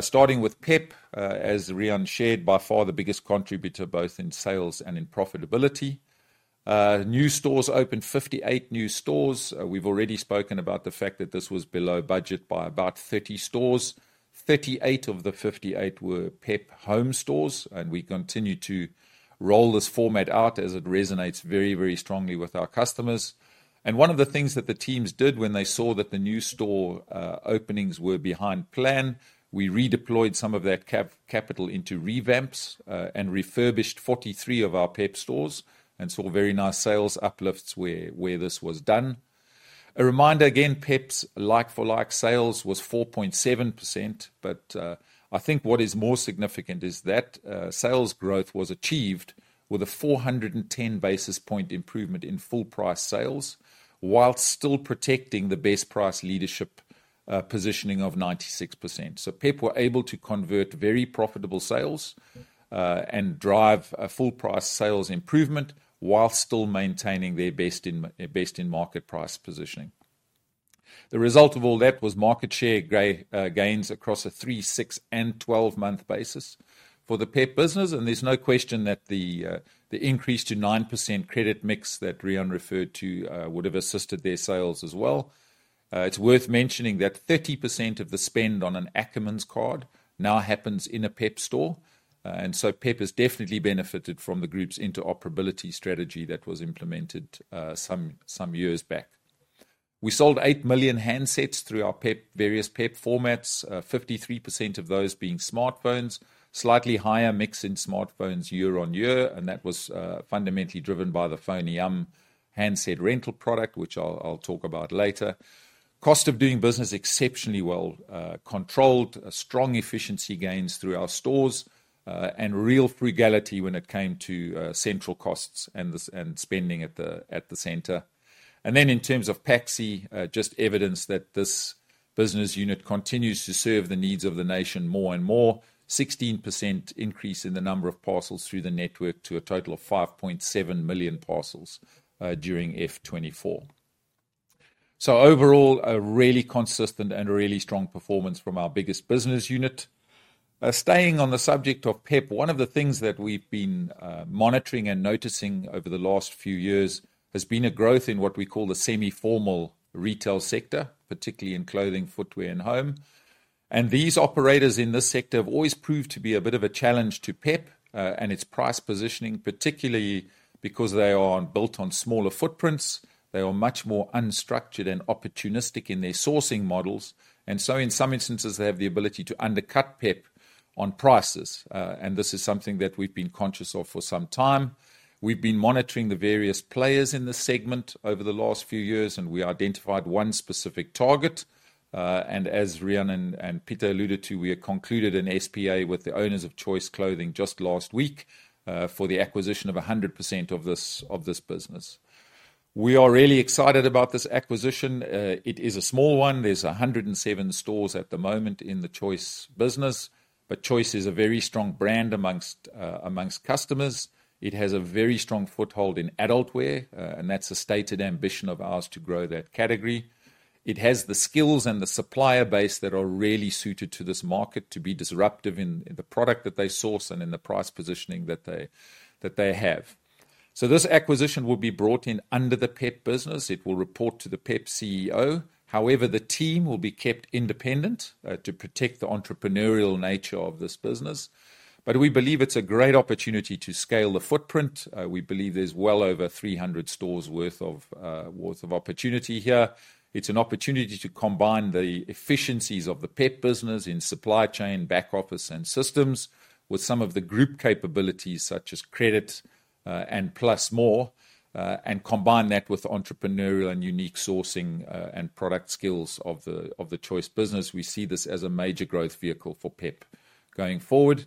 starting with Pep, as Riaan shared, by far the biggest contributor both in sales and in profitability. New stores opened, 58 new stores. We've already spoken about the fact that this was below budget by about 30 stores. 38 of the 58 were Pep Home stores. We continue to roll this format out as it resonates very, very strongly with our customers. One of the things that the teams did when they saw that the new store openings were behind plan, we redeployed some of that capital into revamps and refurbished 43 of our Pep stores and saw very nice sales uplifts where this was done. A reminder again, Pep's like-for-like sales was 4.7%. But I think what is more significant is that sales growth was achieved with a 410 basis point improvement in full price sales while still protecting the best price leadership positioning of 96%. So Pep were able to convert very profitable sales and drive a full price sales improvement while still maintaining their best in market price positioning. The result of all that was market share gains across a three, six, and 12-month basis for the Pep business. There's no question that the increased to 9% credit mix that Riaan referred to would have assisted their sales as well. It's worth mentioning that 30% of the spend on an Ackermans card now happens in a Pep store. Pep has definitely benefited from the group's interoperability strategy that was implemented some years back. We sold 8 million handsets through our various Pep formats, 53% of those being smartphones, slightly higher mix in smartphones year on year. That was fundamentally driven by the Foneyam handset rental product, which I'll talk about later. Cost of doing business exceptionally well controlled, strong efficiency gains through our stores, and real frugality when it came to central costs and spending at the center. Then in terms of PAXI, just evidence that this business unit continues to serve the needs of the nation more and more, 16% increase in the number of parcels through the network to a total of 5.7 million parcels during F24. Overall, a really consistent and really strong performance from our biggest business unit. Staying on the subject of Pep, one of the things that we've been monitoring and noticing over the last few years has been a growth in what we call the semi-formal retail sector, particularly in clothing, footwear, and home. These operators in this sector have always proved to be a bit of a challenge to Pep and its price positioning, particularly because they are built on smaller footprints. They are much more unstructured and opportunistic in their sourcing models. So in some instances, they have the ability to undercut Pep on prices. This is something that we've been conscious of for some time. We've been monitoring the various players in the segment over the last few years, and we identified one specific target. As Riaan and Pieter alluded to, we concluded an SPA with the owners of Choice Clothing just last week for the acquisition of 100% of this business. We are really excited about this acquisition. It is a small one. There's 107 stores at the moment in the Choice business, but Choice is a very strong brand amongst customers. It has a very strong foothold in adult wear, and that's a stated ambition of ours to grow that category. It has the skills and the supplier base that are really suited to this market to be disruptive in the product that they source and in the price positioning that they have. So this acquisition will be brought in under the Pep business. It will report to the Pep CEO. However, the team will be kept independent to protect the entrepreneurial nature of this business. But we believe it's a great opportunity to scale the footprint. We believe there's well over 300 stores' worth of opportunity here. It's an opportunity to combine the efficiencies of the Pep business in supply chain, back office, and systems with some of the group capabilities such as credit and Plus More, and combine that with entrepreneurial and unique sourcing and product skills of the Choice business. We see this as a major growth vehicle for Pep going forward.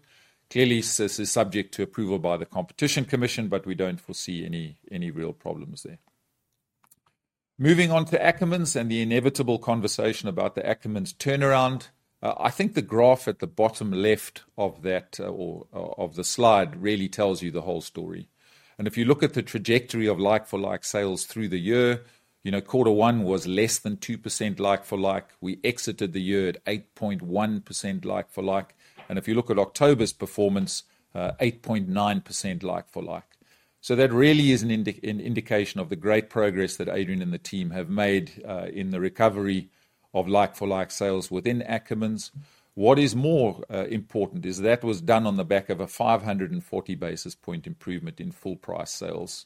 Clearly, this is subject to approval by the Competition Commission, but we don't foresee any real problems there. Moving on to Ackermans and the inevitable conversation about the Ackermans turnaround. I think the graph at the bottom left of the slide really tells you the whole story. And if you look at the trajectory of like-for-like sales through the year, quarter one was less than 2% like-for-like. We exited the year at 8.1% like-for-like. And if you look at October's performance, 8.9% like-for-like. So that really is an indication of the great progress that Adriaan and the team have made in the recovery of like-for-like sales within Ackermans. What is more important is that was done on the back of a 540 basis point improvement in full price sales,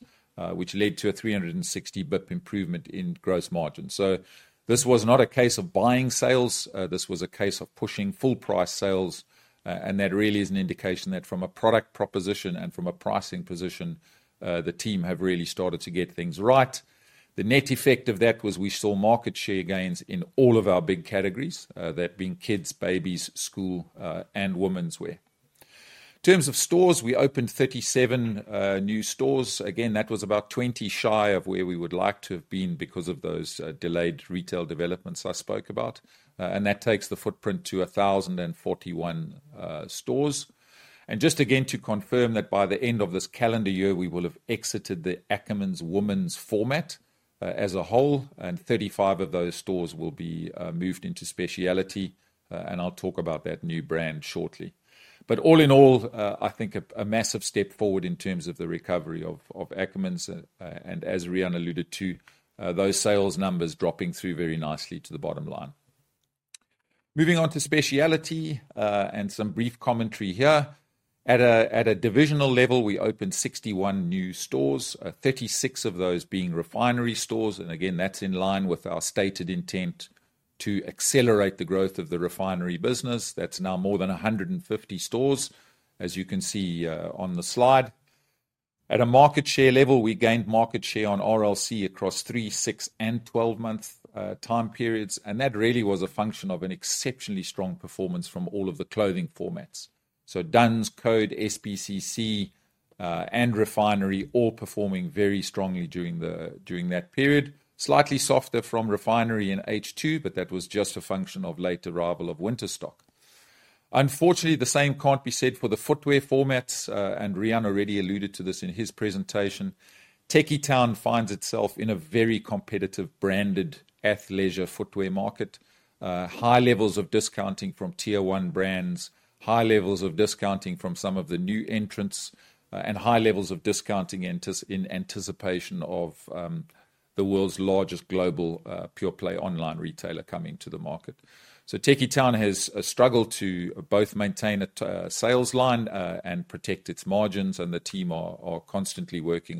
which led to a 360 basis point improvement in gross margin. So this was not a case of buying sales. This was a case of pushing full price sales. That really is an indication that from a product proposition and from a pricing position, the team have really started to get things right. The net effect of that was we saw market share gains in all of our big categories, that being kids, babies, school, and women's wear. In terms of stores, we opened 37 new stores. Again, that was about 20 shy of where we would like to have been because of those delayed retail developments I spoke about. And that takes the footprint to 1,041 stores. And just again to confirm that by the end of this calendar year, we will have exited the Ackermans women's format as a whole, and 35 of those stores will be moved into Speciality. And I'll talk about that new brand shortly. But all in all, I think a massive step forward in terms of the recovery of Ackermans. As Riaan alluded to, those sales numbers dropping through very nicely to the bottom line. Moving on to Speciality and some brief commentary here. At a divisional level, we opened 61 new stores, 36 of those being Refinery stores. And again, that's in line with our stated intent to accelerate the growth of the Refinery business. That's now more than 150 stores, as you can see on the slide. At a market share level, we gained market share on RLC across three, six, and 12-month time periods. And that really was a function of an exceptionally strong performance from all of the clothing formats. So Dunns, Code, SPCC, and Refinery all performing very strongly during that period. Slightly softer from Refinery and H2, but that was just a function of late arrival of winter stock. Unfortunately, the same can't be said for the footwear formats. Riaan already alluded to this in his presentation. Tekkie Town finds itself in a very competitive branded athleisure footwear market, high levels of discounting from tier one brands, high levels of discounting from some of the new entrants, and high levels of discounting in anticipation of the world's largest global pure play online retailer coming to the market. So Tekkie Town has struggled to both maintain a sales line and protect its margins. The team are constantly working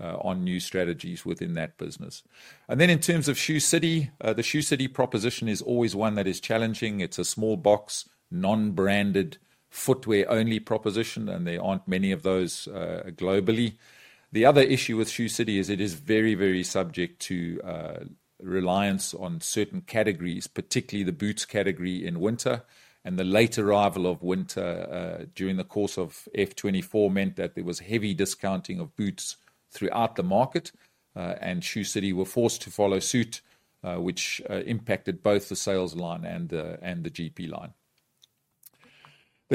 on new strategies within that business. Then in terms of Shoe City, the Shoe City proposition is always one that is challenging. It's a small box, non-branded footwear-only proposition, and there aren't many of those globally. The other issue with Shoe City is it is very, very subject to reliance on certain categories, particularly the boots category in winter. The late arrival of winter during the course of F24 meant that there was heavy discounting of boots throughout the market. Shoe City were forced to follow suit, which impacted both the sales line and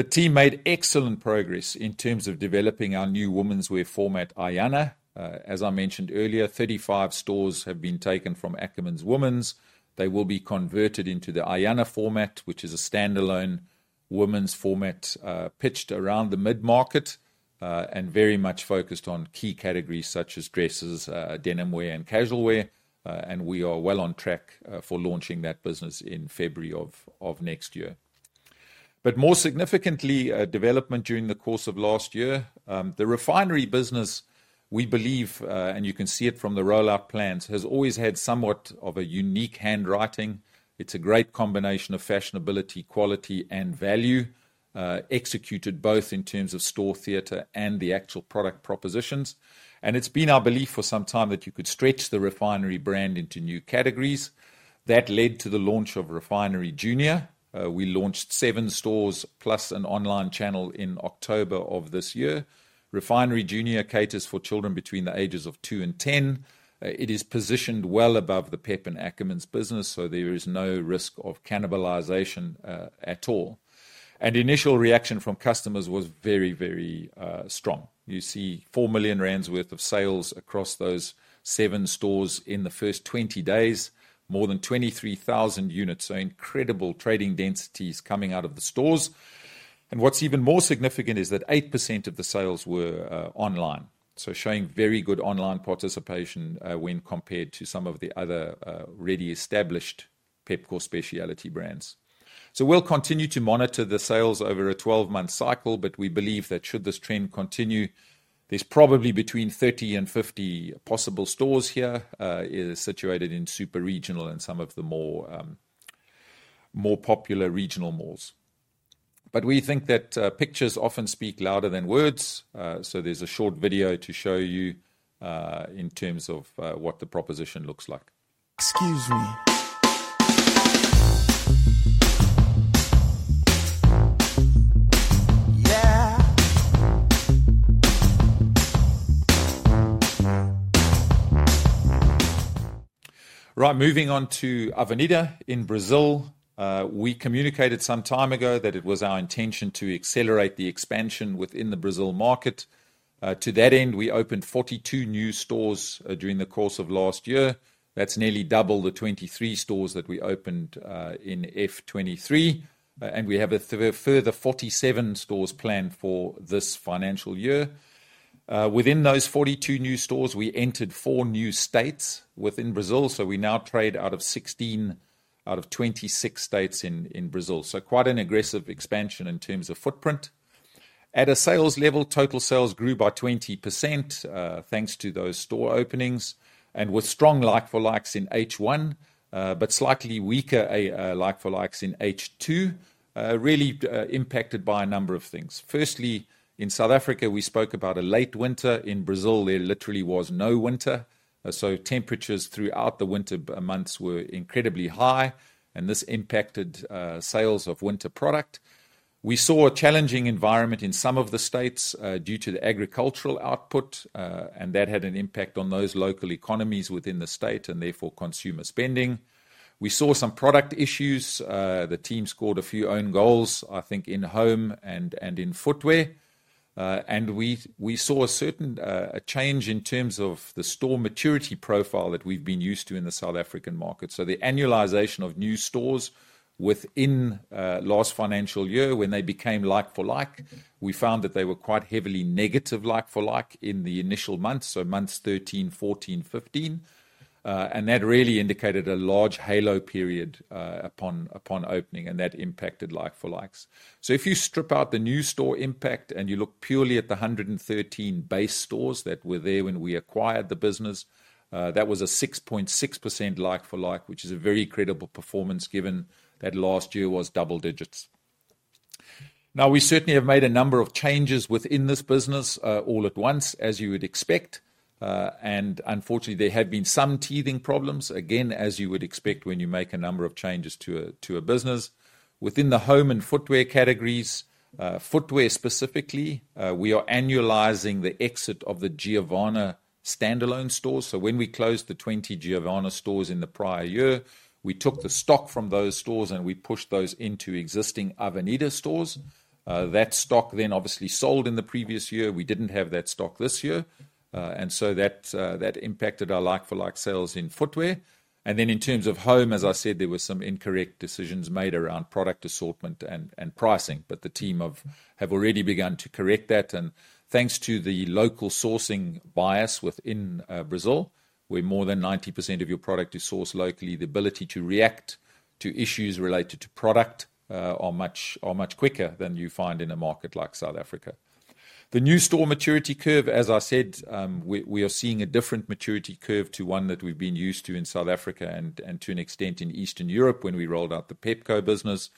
the GP line. The team made excellent progress in terms of developing our new women's wear format, Ayana. As I mentioned earlier, 35 stores have been taken from Ackermans' women's. They will be converted into the Ayana format, which is a standalone women's format pitched around the mid-market and very much focused on key categories such as dresses, denim wear, and casual wear. We are well on track for launching that business in February of next year. More significantly, development during the course of last year, the Refinery business, we believe, and you can see it from the rollout plans, has always had somewhat of a unique handwriting. It's a great combination of fashionability, quality, and value, executed both in terms of store theater and the actual product propositions. It's been our belief for some time that you could stretch the Refinery brand into new categories. That led to the launch of Refinery Junior. We launched seven stores plus an online channel in October of this year. Refinery Junior caters for children between the ages of 2 and 10. It is positioned well above the Pep and Ackermans business, so there is no risk of cannibalization at all. Initial reaction from customers was very, very strong. You see 4 million rand worth of sales across those seven stores in the first 20 days, more than 23,000 units, so incredible trading densities coming out of the stores. What's even more significant is that 8% of the sales were online, so showing very good online participation when compared to some of the other ready-established Pepkor Speciality brands. We'll continue to monitor the sales over a 12-month cycle, but we believe that should this trend continue, there's probably between 30 and 50 possible stores here situated in super regional and some of the more popular regional malls. We think that pictures often speak louder than words. There's a short video to show you in terms of what the proposition looks like. Excuse me. Yeah. Right, moving on to Avenida in Brazil. We communicated some time ago that it was our intention to accelerate the expansion within the Brazil market. To that end, we opened 42 new stores during the course of last year. That's nearly double the 23 stores that we opened in F23. And we have a further 47 stores planned for this financial year. Within those 42 new stores, we entered four new states within Brazil. So we now trade out of 16 out of 26 states in Brazil. So quite an aggressive expansion in terms of footprint. At a sales level, total sales grew by 20% thanks to those store openings and with strong like-for-likes in H1, but slightly weaker like-for-likes in H2, really impacted by a number of things. Firstly, in South Africa, we spoke about a late winter. In Brazil, there literally was no winter. So temperatures throughout the winter months were incredibly high, and this impacted sales of winter product. We saw a challenging environment in some of the states due to the agricultural output, and that had an impact on those local economies within the state and therefore consumer spending. We saw some product issues. The team scored a few own goals, I think, in home and in footwear. And we saw a certain change in terms of the store maturity profile that we've been used to in the South African market. So the annualization of new stores within last financial year, when they became like-for-like, we found that they were quite heavily negative like-for-like in the initial months, so months 13, 14, 15. And that really indicated a large halo period upon opening, and that impacted like-for-likes. So if you strip out the new store impact and you look purely at the 113 base stores that were there when we acquired the business, that was a 6.6% like-for-like, which is a very credible performance given that last year was double digits. Now, we certainly have made a number of changes within this business all at once, as you would expect. Unfortunately, there have been some teething problems, again, as you would expect when you make a number of changes to a business. Within the home and footwear categories, footwear specifically, we are annualizing the exit of the Giovanna standalone stores. So when we closed the 20 Giovanna stores in the prior year, we took the stock from those stores and we pushed those into existing Avenida stores. That stock then obviously sold in the previous year. We didn't have that stock this year. And so that impacted our like-for-like sales in footwear. And then in terms of home, as I said, there were some incorrect decisions made around product assortment and pricing. But the team have already begun to correct that. Thanks to the local sourcing bias within Brazil, where more than 90% of your product is sourced locally, the ability to react to issues related to product are much quicker than you find in a market like South Africa. The new store maturity curve, as I said, we are seeing a different maturity curve to one that we've been used to in South Africa and to an extent in Eastern Europe when we rolled out the Pepco business.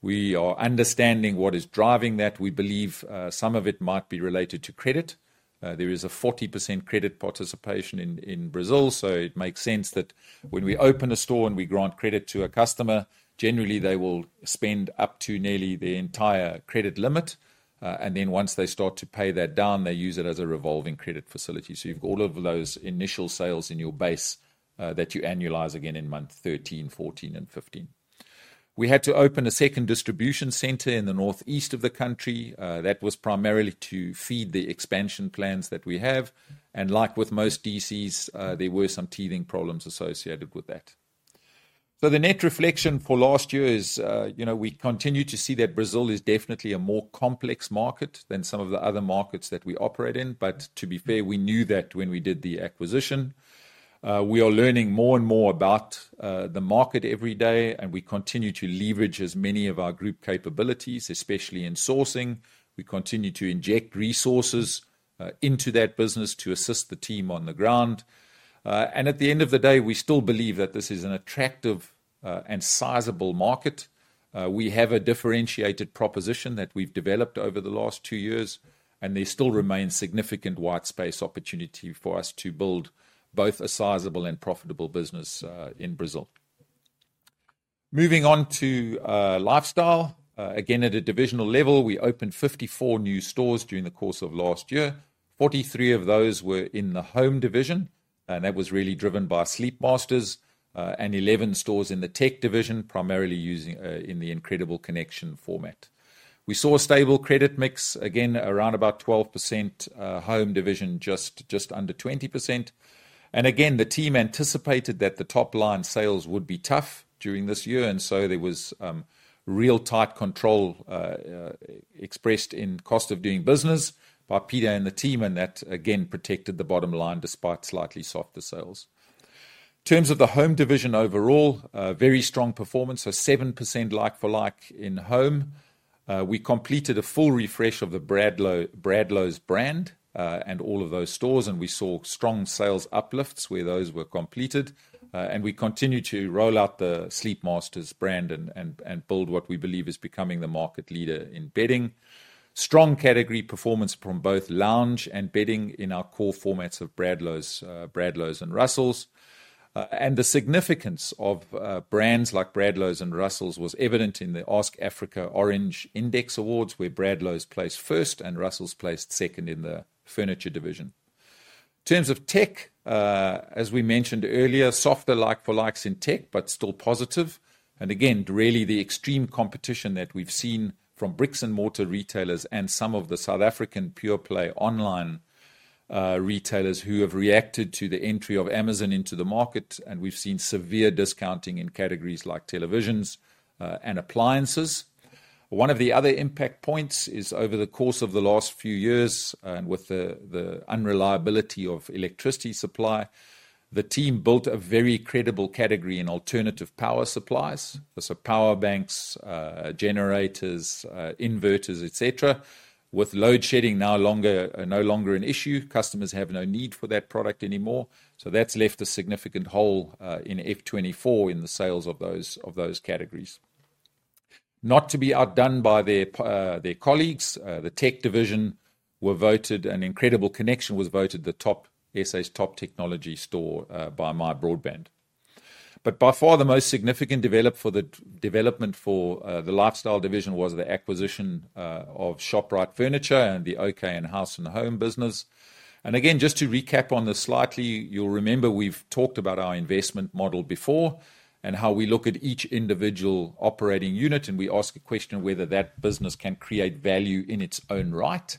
We are understanding what is driving that. We believe some of it might be related to credit. There is a 40% credit participation in Brazil. It makes sense that when we open a store and we grant credit to a customer, generally they will spend up to nearly their entire credit limit. Once they start to pay that down, they use it as a revolving credit facility. So you've got all of those initial sales in your base that you annualize again in months 13, 14, and 15. We had to open a second distribution center in the northeast of the country. That was primarily to feed the expansion plans that we have. And like with most DCs, there were some teething problems associated with that. So the net reflection for last year is we continue to see that Brazil is definitely a more complex market than some of the other markets that we operate in. But to be fair, we knew that when we did the acquisition. We are learning more and more about the market every day, and we continue to leverage as many of our group capabilities, especially in sourcing. We continue to inject resources into that business to assist the team on the ground. At the end of the day, we still believe that this is an attractive and sizable market. We have a differentiated proposition that we've developed over the last two years, and there still remains significant white space opportunity for us to build both a sizable and profitable business in Brazil. Moving on to lifestyle. Again, at a divisional level, we opened 54 new stores during the course of last year. 43 of those were in the home division, and that was really driven by Sleepmasters, and 11 stores in the tech division, primarily in the Incredible Connection format. We saw a stable credit mix, again, around about 12%, home division just under 20%. The team anticipated that the top line sales would be tough during this year. So there was real tight control expressed in cost of doing business by Pieter and the team. That, again, protected the bottom line despite slightly softer sales. In terms of the home division overall, very strong performance, so 7% like-for-like in home. We completed a full refresh of the Bradlows brand and all of those stores, and we saw strong sales uplifts where those were completed. We continue to roll out the Sleepmasters brand and build what we believe is becoming the market leader in bedding. Strong category performance from both lounge and bedding in our core formats of Bradlows and Russells. The significance of brands like Bradlows and Russells was evident in the Ask Afrika Orange Index Awards where Bradlows placed first and Russells placed second in the furniture division. In terms of tech, as we mentioned earlier, softer like-for-likes in tech, but still positive. Again, really the extreme competition that we've seen from bricks-and-mortar retailers and some of the South African pure play online retailers who have reacted to the entry of Amazon into the market. We've seen severe discounting in categories like televisions and appliances. One of the other impact points is over the course of the last few years and with the unreliability of electricity supply, the team built a very credible category in alternative power supplies. Power banks, generators, inverters, etc. With load shedding no longer an issue, customers have no need for that product anymore. That's left a significant hole in F24 in the sales of those categories. Not to be outdone by their colleagues, the tech division, Incredible Connection, was voted the top SA technology store by MyBroadband. But by far, the most significant development for the lifestyle division was the acquisition of Shoprite Furniture and the OK Furniture and House & Home business. And again, just to recap on this slightly, you'll remember we've talked about our investment model before and how we look at each individual operating unit and we ask a question whether that business can create value in its own right.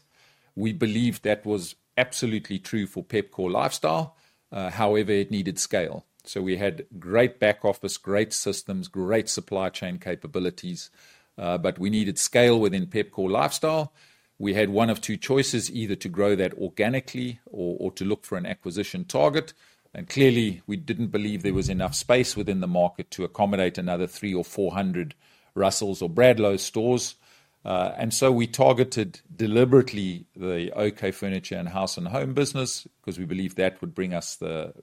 We believe that was absolutely true for Pepkor Lifestyle. However, it needed scale. So we had great back office, great systems, great supply chain capabilities, but we needed scale within Pepkor Lifestyle. We had one of two choices, either to grow that organically or to look for an acquisition target. And clearly, we didn't believe there was enough space within the market to accommodate another 300 or 400 Russells. Or Bradlows stores. We targeted deliberately the OK Furniture and House & Home business because we believe that would bring us the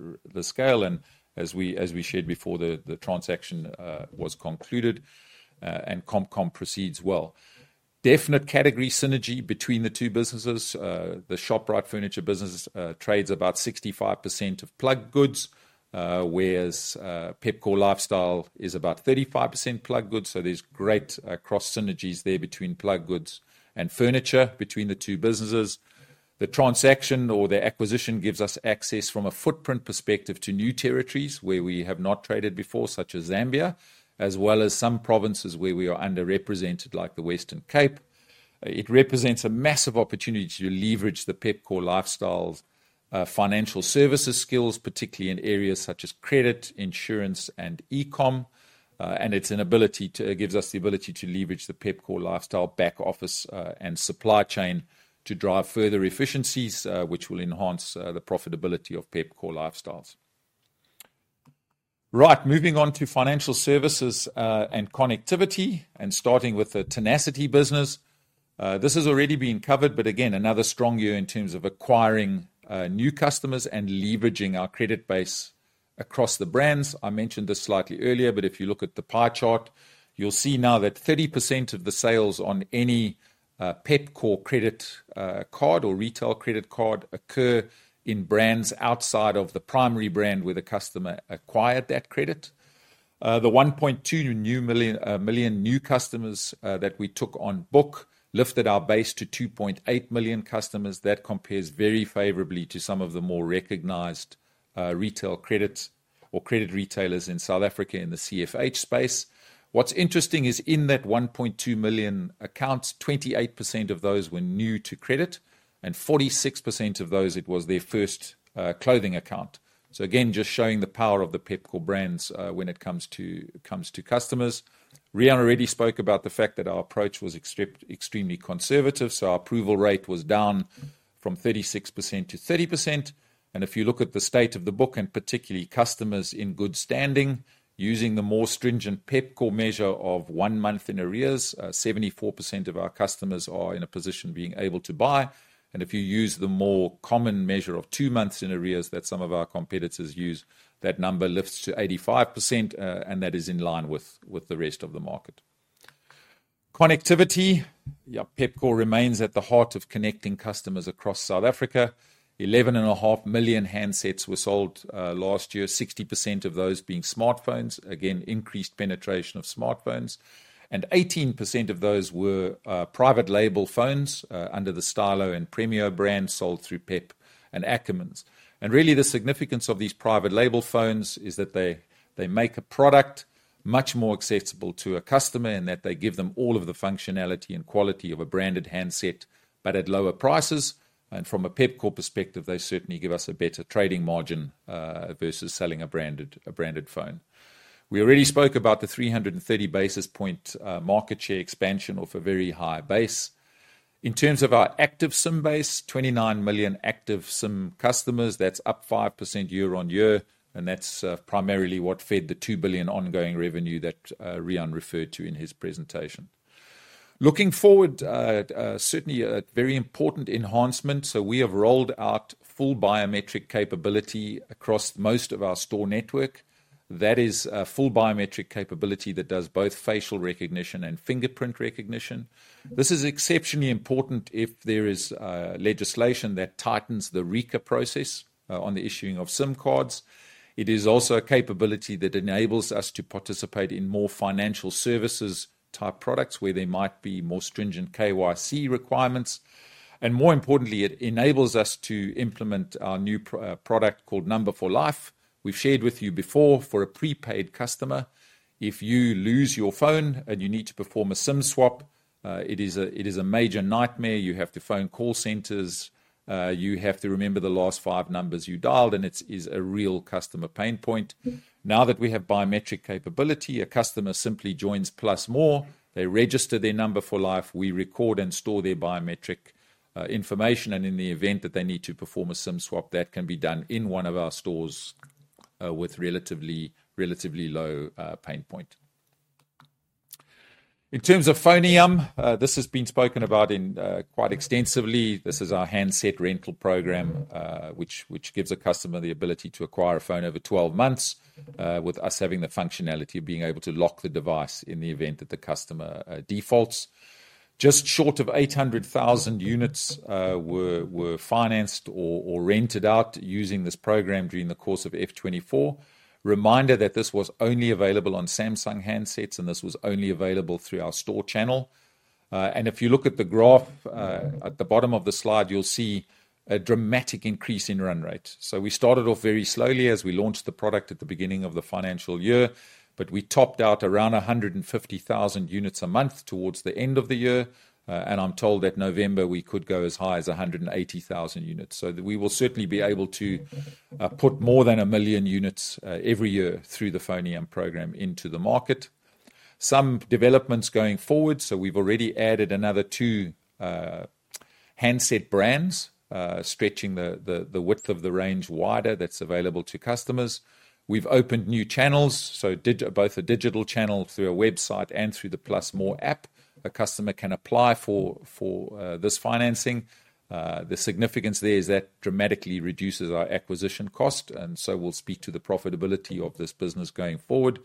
scale. As we shared before, the transaction was concluded and ComCom proceeds well. Definite category synergy between the two businesses. The Shoprite Furniture business trades about 65% of plug goods, whereas Pepkor Lifestyle is about 35% plug goods. So there's great cross synergies there between plug goods and furniture between the two businesses. The transaction or the acquisition gives us access from a footprint perspective to new territories where we have not traded before, such as Zambia, as well as some provinces where we are underrepresented like the Western Cape. It represents a massive opportunity to leverage the Pepkor Lifestyle financial services skills, particularly in areas such as credit, insurance, and e-com. And it's an ability to gives us the ability to leverage the Pepkor Lifestyle back office and supply chain to drive further efficiencies, which will enhance the profitability of Pepkor Lifestyle. Right, moving on to financial services and connectivity and starting with the Tenacity business. This has already been covered, but again, another strong year in terms of acquiring new customers and leveraging our credit base across the brands. I mentioned this slightly earlier, but if you look at the pie chart, you'll see now that 30% of the sales on any Pepkor credit card or retail credit card occur in brands outside of the primary brand where the customer acquired that credit. The 1.2 million new customers that we took on book lifted our base to 2.8 million customers. That compares very favorably to some of the more recognized retail credits or credit retailers in South Africa in the CFH space. What's interesting is in that 1.2 million accounts, 28% of those were new to credit and 46% of those it was their first clothing account. So again, just showing the power of the Pepkor brands when it comes to customers. Riaan already spoke about the fact that our approach was extremely conservative. So our approval rate was down from 36% to 30%. And if you look at the state of the book and particularly customers in good standing, using the more stringent Pepkor measure of one month in arrears, 74% of our customers are in a position being able to buy. If you use the more common measure of two months in arrears that some of our competitors use, that number lifts to 85% and that is in line with the rest of the market. Connectivity, Pepkor remains at the heart of connecting customers across South Africa. 11.5 million handsets were sold last year, 60% of those being smartphones, again, increased penetration of smartphones. 18% of those were private label phones under the Stylo and Premio brands sold through Pep and Ackermans. Really, the significance of these private label phones is that they make a product much more accessible to a customer in that they give them all of the functionality and quality of a branded handset, but at lower prices. From a Pepkor perspective, they certainly give us a better trading margin versus selling a branded phone. We already spoke about the 330 basis point market share expansion of a very high base. In terms of our active SIM base, 29 million active SIM customers, that's up 5% year on year, and that's primarily what fed the 2 billion ongoing revenue that Riaan referred to in his presentation. Looking forward, certainly a very important enhancement, so we have rolled out full biometric capability across most of our store network. That is full biometric capability that does both facial recognition and fingerprint recognition. This is exceptionally important if there is legislation that tightens the RICA process on the issuing of SIM cards. It is also a capability that enables us to participate in more financial services type products where there might be more stringent KYC requirements, and more importantly, it enables us to implement our new product called Number4Life. We've shared with you before for a prepaid customer, if you lose your phone and you need to perform a SIM swap, it is a major nightmare. You have to phone call centers. You have to remember the last five numbers you dialed, and it is a real customer pain point. Now that we have biometric capability, a customer simply joins Plus More. They register their Number4Life. We record and store their biometric information. And in the event that they need to perform a SIM swap, that can be done in one of our stores with relatively low pain point. In terms of Foneyam, this has been spoken about quite extensively. This is our handset rental program, which gives a customer the ability to acquire a phone over 12 months, with us having the functionality of being able to lock the device in the event that the customer defaults. Just short of 800,000 units were financed or rented out using this program during the course of F24. Reminder that this was only available on Samsung handsets, and this was only available through our store channel, and if you look at the graph at the bottom of the slide, you'll see a dramatic increase in run rate, so we started off very slowly as we launched the product at the beginning of the financial year, but we topped out around 150,000 units a month towards the end of the year, and I'm told that November we could go as high as 180,000 units. So we will certainly be able to put more than a million units every year through the Foneyam program into the market. Some developments going forward. So we've already added another two handset brands, stretching the width of the range wider that's available to customers. We've opened new channels, so both a digital channel through our website and through the Plus More app. A customer can apply for this financing. The significance there is that dramatically reduces our acquisition cost. And so we'll speak to the profitability of this business going forward.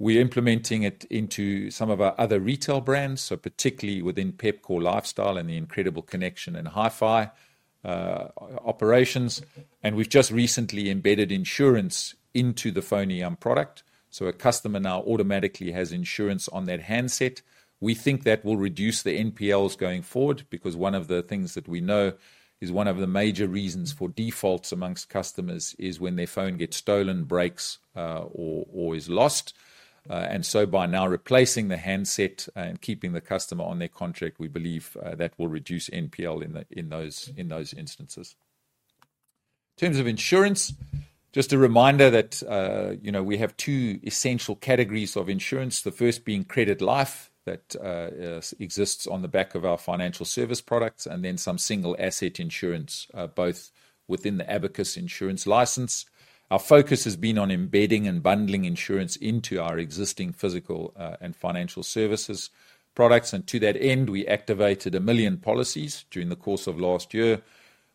We're implementing it into some of our other retail brands, so particularly within Pepkor Lifestyle and the Incredible Connection and Hi-Fi operations. And we've just recently embedded insurance into the Foneyam product. So a customer now automatically has insurance on that handset. We think that will reduce the NPLs going forward because one of the things that we know is one of the major reasons for defaults amongst customers is when their phone gets stolen, breaks, or is lost. And so by now replacing the handset and keeping the customer on their contract, we believe that will reduce NPL in those instances. In terms of insurance, just a reminder that we have two essential categories of insurance, the first being credit life that exists on the back of our financial service products, and then some single asset insurance, both within the Abacus insurance license. Our focus has been on embedding and bundling insurance into our existing physical and financial services products. And to that end, we activated a million policies during the course of last year.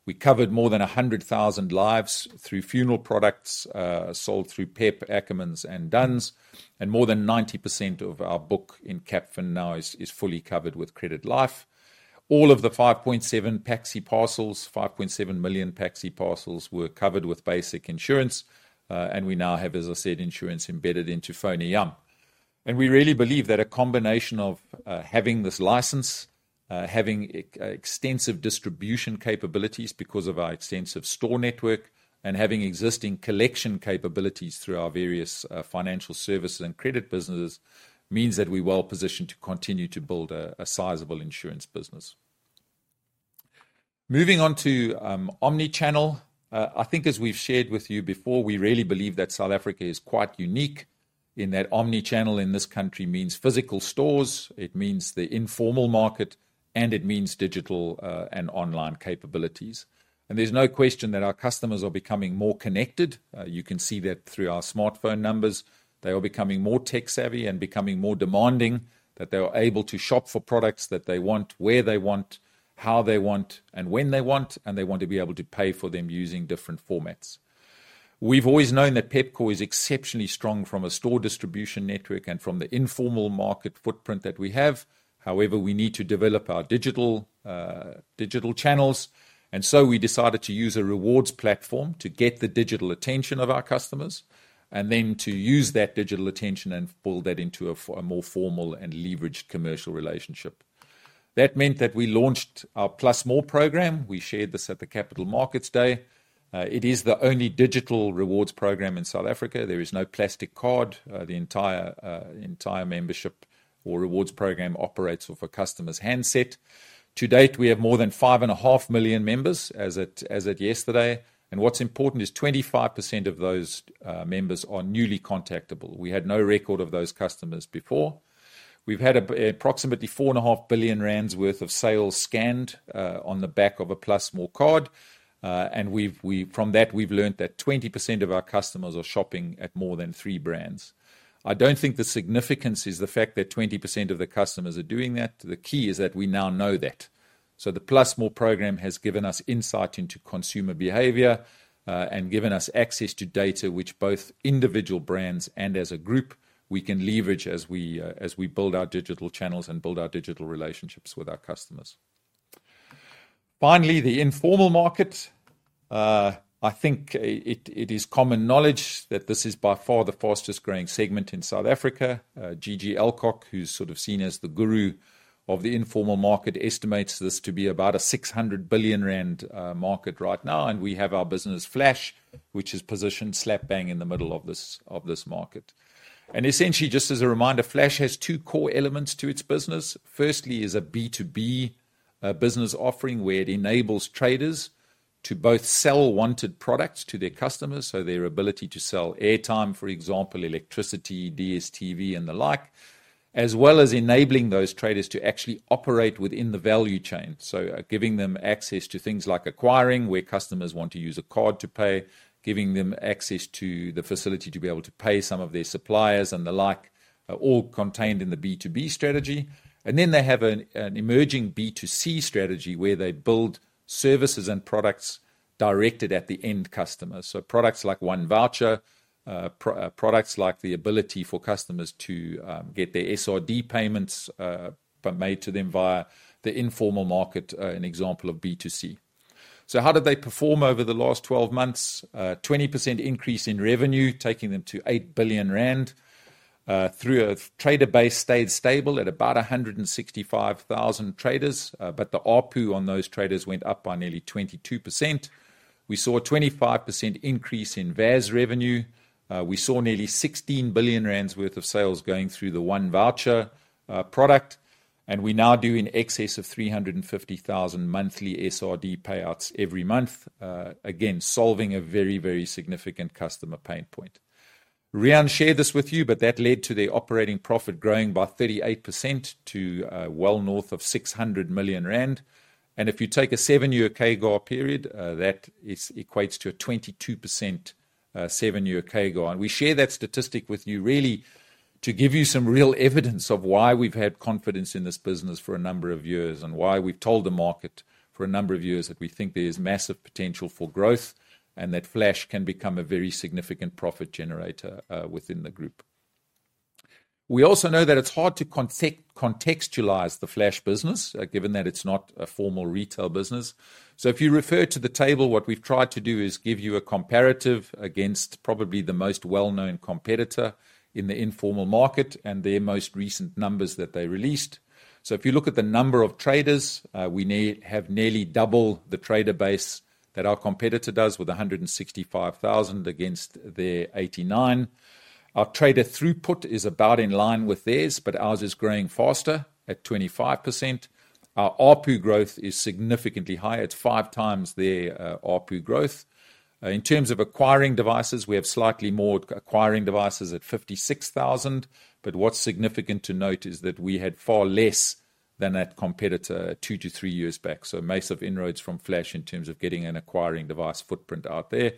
We covered more than 100,000 lives through funeral products sold through Pep, Ackermans, and Dunns. And more than 90% of our book in Capfin now is fully covered with credit life. All of the 5.7 PAXI parcels, 5.7 million PAXI parcels were covered with basic insurance. And we now have, as I said, insurance embedded into Foneyam. And we really believe that a combination of having this license, having extensive distribution capabilities because of our extensive store network, and having existing collection capabilities through our various financial services and credit businesses means that we're well positioned to continue to build a sizable insurance business. Moving on to omnichannel, I think as we've shared with you before, we really believe that South Africa is quite unique in that omnichannel in this country means physical stores, it means the informal market, and it means digital and online capabilities. And there's no question that our customers are becoming more connected. You can see that through our smartphone numbers. They are becoming more tech-savvy and becoming more demanding, that they are able to shop for products that they want, where they want, how they want, and when they want, and they want to be able to pay for them using different formats. We've always known that Pepkor is exceptionally strong from a store distribution network and from the informal market footprint that we have. However, we need to develop our digital channels, and so we decided to use a rewards platform to get the digital attention of our customers and then to use that digital attention and pull that into a more formal and leveraged commercial relationship. That meant that we launched our Plus More program. We shared this at the Capital Markets Day. It is the only digital rewards program in South Africa. There is no plastic card. The entire membership or rewards program operates for customers' handset. To date, we have more than 5.5 million members as of yesterday, and what's important is 25% of those members are newly contactable. We had no record of those customers before. We've had approximately 4.5 billion rand worth of sales scanned on the back of a Plus More card, and from that, we've learned that 20% of our customers are shopping at more than three brands. I don't think the significance is the fact that 20% of the customers are doing that. The key is that we now know that, so the Plus More program has given us insight into consumer behavior and given us access to data, which both individual brands and as a group, we can leverage as we build our digital channels and build our digital relationships with our customers. Finally, the informal market, I think it is common knowledge that this is by far the fastest growing segment in South Africa. GG Alcock, who's sort of seen as the guru of the informal market, estimates this to be about a 600 billion rand market right now. And we have our business, Flash, which is positioned slap bang in the middle of this market. And essentially, just as a reminder, Flash has two core elements to its business. Firstly is a B2B business offering where it enables traders to both sell wanted products to their customers. So their ability to sell airtime, for example, electricity, DStv, and the like, as well as enabling those traders to actually operate within the value chain. Giving them access to things like acquiring, where customers want to use a card to pay, giving them access to the facility to be able to pay some of their suppliers and the like, all contained in the B2B strategy. And then they have an emerging B2C strategy where they build services and products directed at the end customer. So products like 1Voucher, products like the ability for customers to get their SRD payments made to them via the informal market, an example of B2C. So how did they perform over the last 12 months? 20% increase in revenue, taking them to 8 billion rand. Their trader base stayed stable at about 165,000 traders, but the ARPU on those traders went up by nearly 22%. We saw a 25% increase in VAS revenue. We saw nearly 16 billion rand worth of sales going through the 1Voucher product. We now do in excess of 350,000 monthly SRD payouts every month, again, solving a very, very significant customer pain point. Riaan shared this with you, but that led to their operating profit growing by 38% to well north of 600 million rand. If you take a seven-year CAGR period, that equates to a 22% seven-year CAGR. We share that statistic with you really to give you some real evidence of why we've had confidence in this business for a number of years and why we've told the market for a number of years that we think there is massive potential for growth and that Flash can become a very significant profit generator within the group. We also know that it's hard to contextualize the Flash business, given that it's not a formal retail business. If you refer to the table, what we've tried to do is give you a comparative against probably the most well-known competitor in the informal market and their most recent numbers that they released. If you look at the number of traders, we have nearly double the trader base that our competitor does with 165,000 against their 89. Our trader throughput is about in line with theirs, but ours is growing faster at 25%. Our ARPU growth is significantly higher. It's five times their ARPU growth. In terms of acquiring devices, we have slightly more acquiring devices at 56,000. But what's significant to note is that we had far less than that competitor two to three years back. Massive inroads from Flash in terms of getting an acquiring device footprint out there.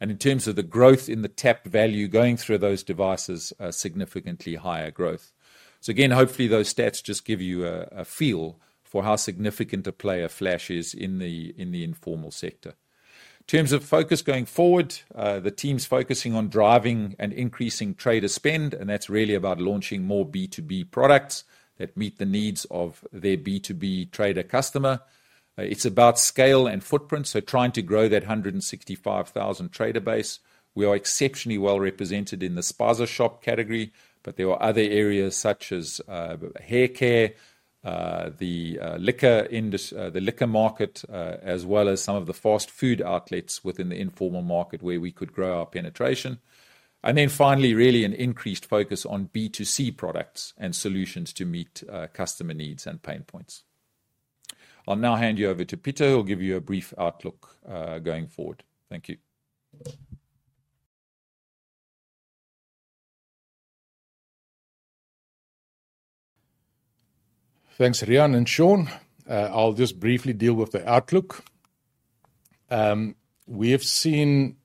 And in terms of the growth in the tap value going through those devices, significantly higher growth, so again, hopefully those stats just give you a feel for how significant a player Flash is in the informal sector. In terms of focus going forward, the team's focusing on driving and increasing trader spend. And that's really about launching more B2B products that meet the needs of their B2B trader customer. It's about scale and footprint, so trying to grow that 165,000 trader base. We are exceptionally well represented in the spaza shop category, but there are other areas such as haircare, the liquor market, as well as some of the fast food outlets within the informal market where we could grow our penetration. And then finally, really an increased focus on B2C products and solutions to meet customer needs and pain points. I'll now hand you over to Pieter who'll give you a brief outlook going forward. Thank you. Thanks, Riaan and Sean. I'll just briefly deal with the outlook. We have seen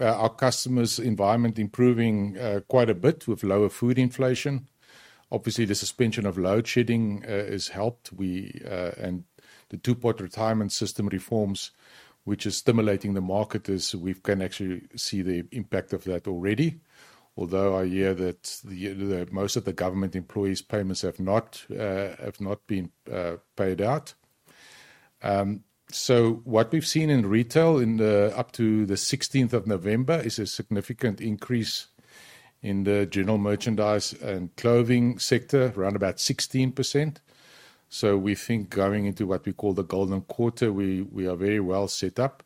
our customers' environment improving quite a bit with lower food inflation. Obviously, the suspension of load shedding has helped and the two-pot retirement system reforms, which is stimulating the markets, we can actually see the impact of that already, although I hear that most of the government employees' payments have not been paid out. So what we've seen in retail up to the 16th of November is a significant increase in the general merchandise and clothing sector, around about 16%. So we think going into what we call the golden quarter, we are very well set up.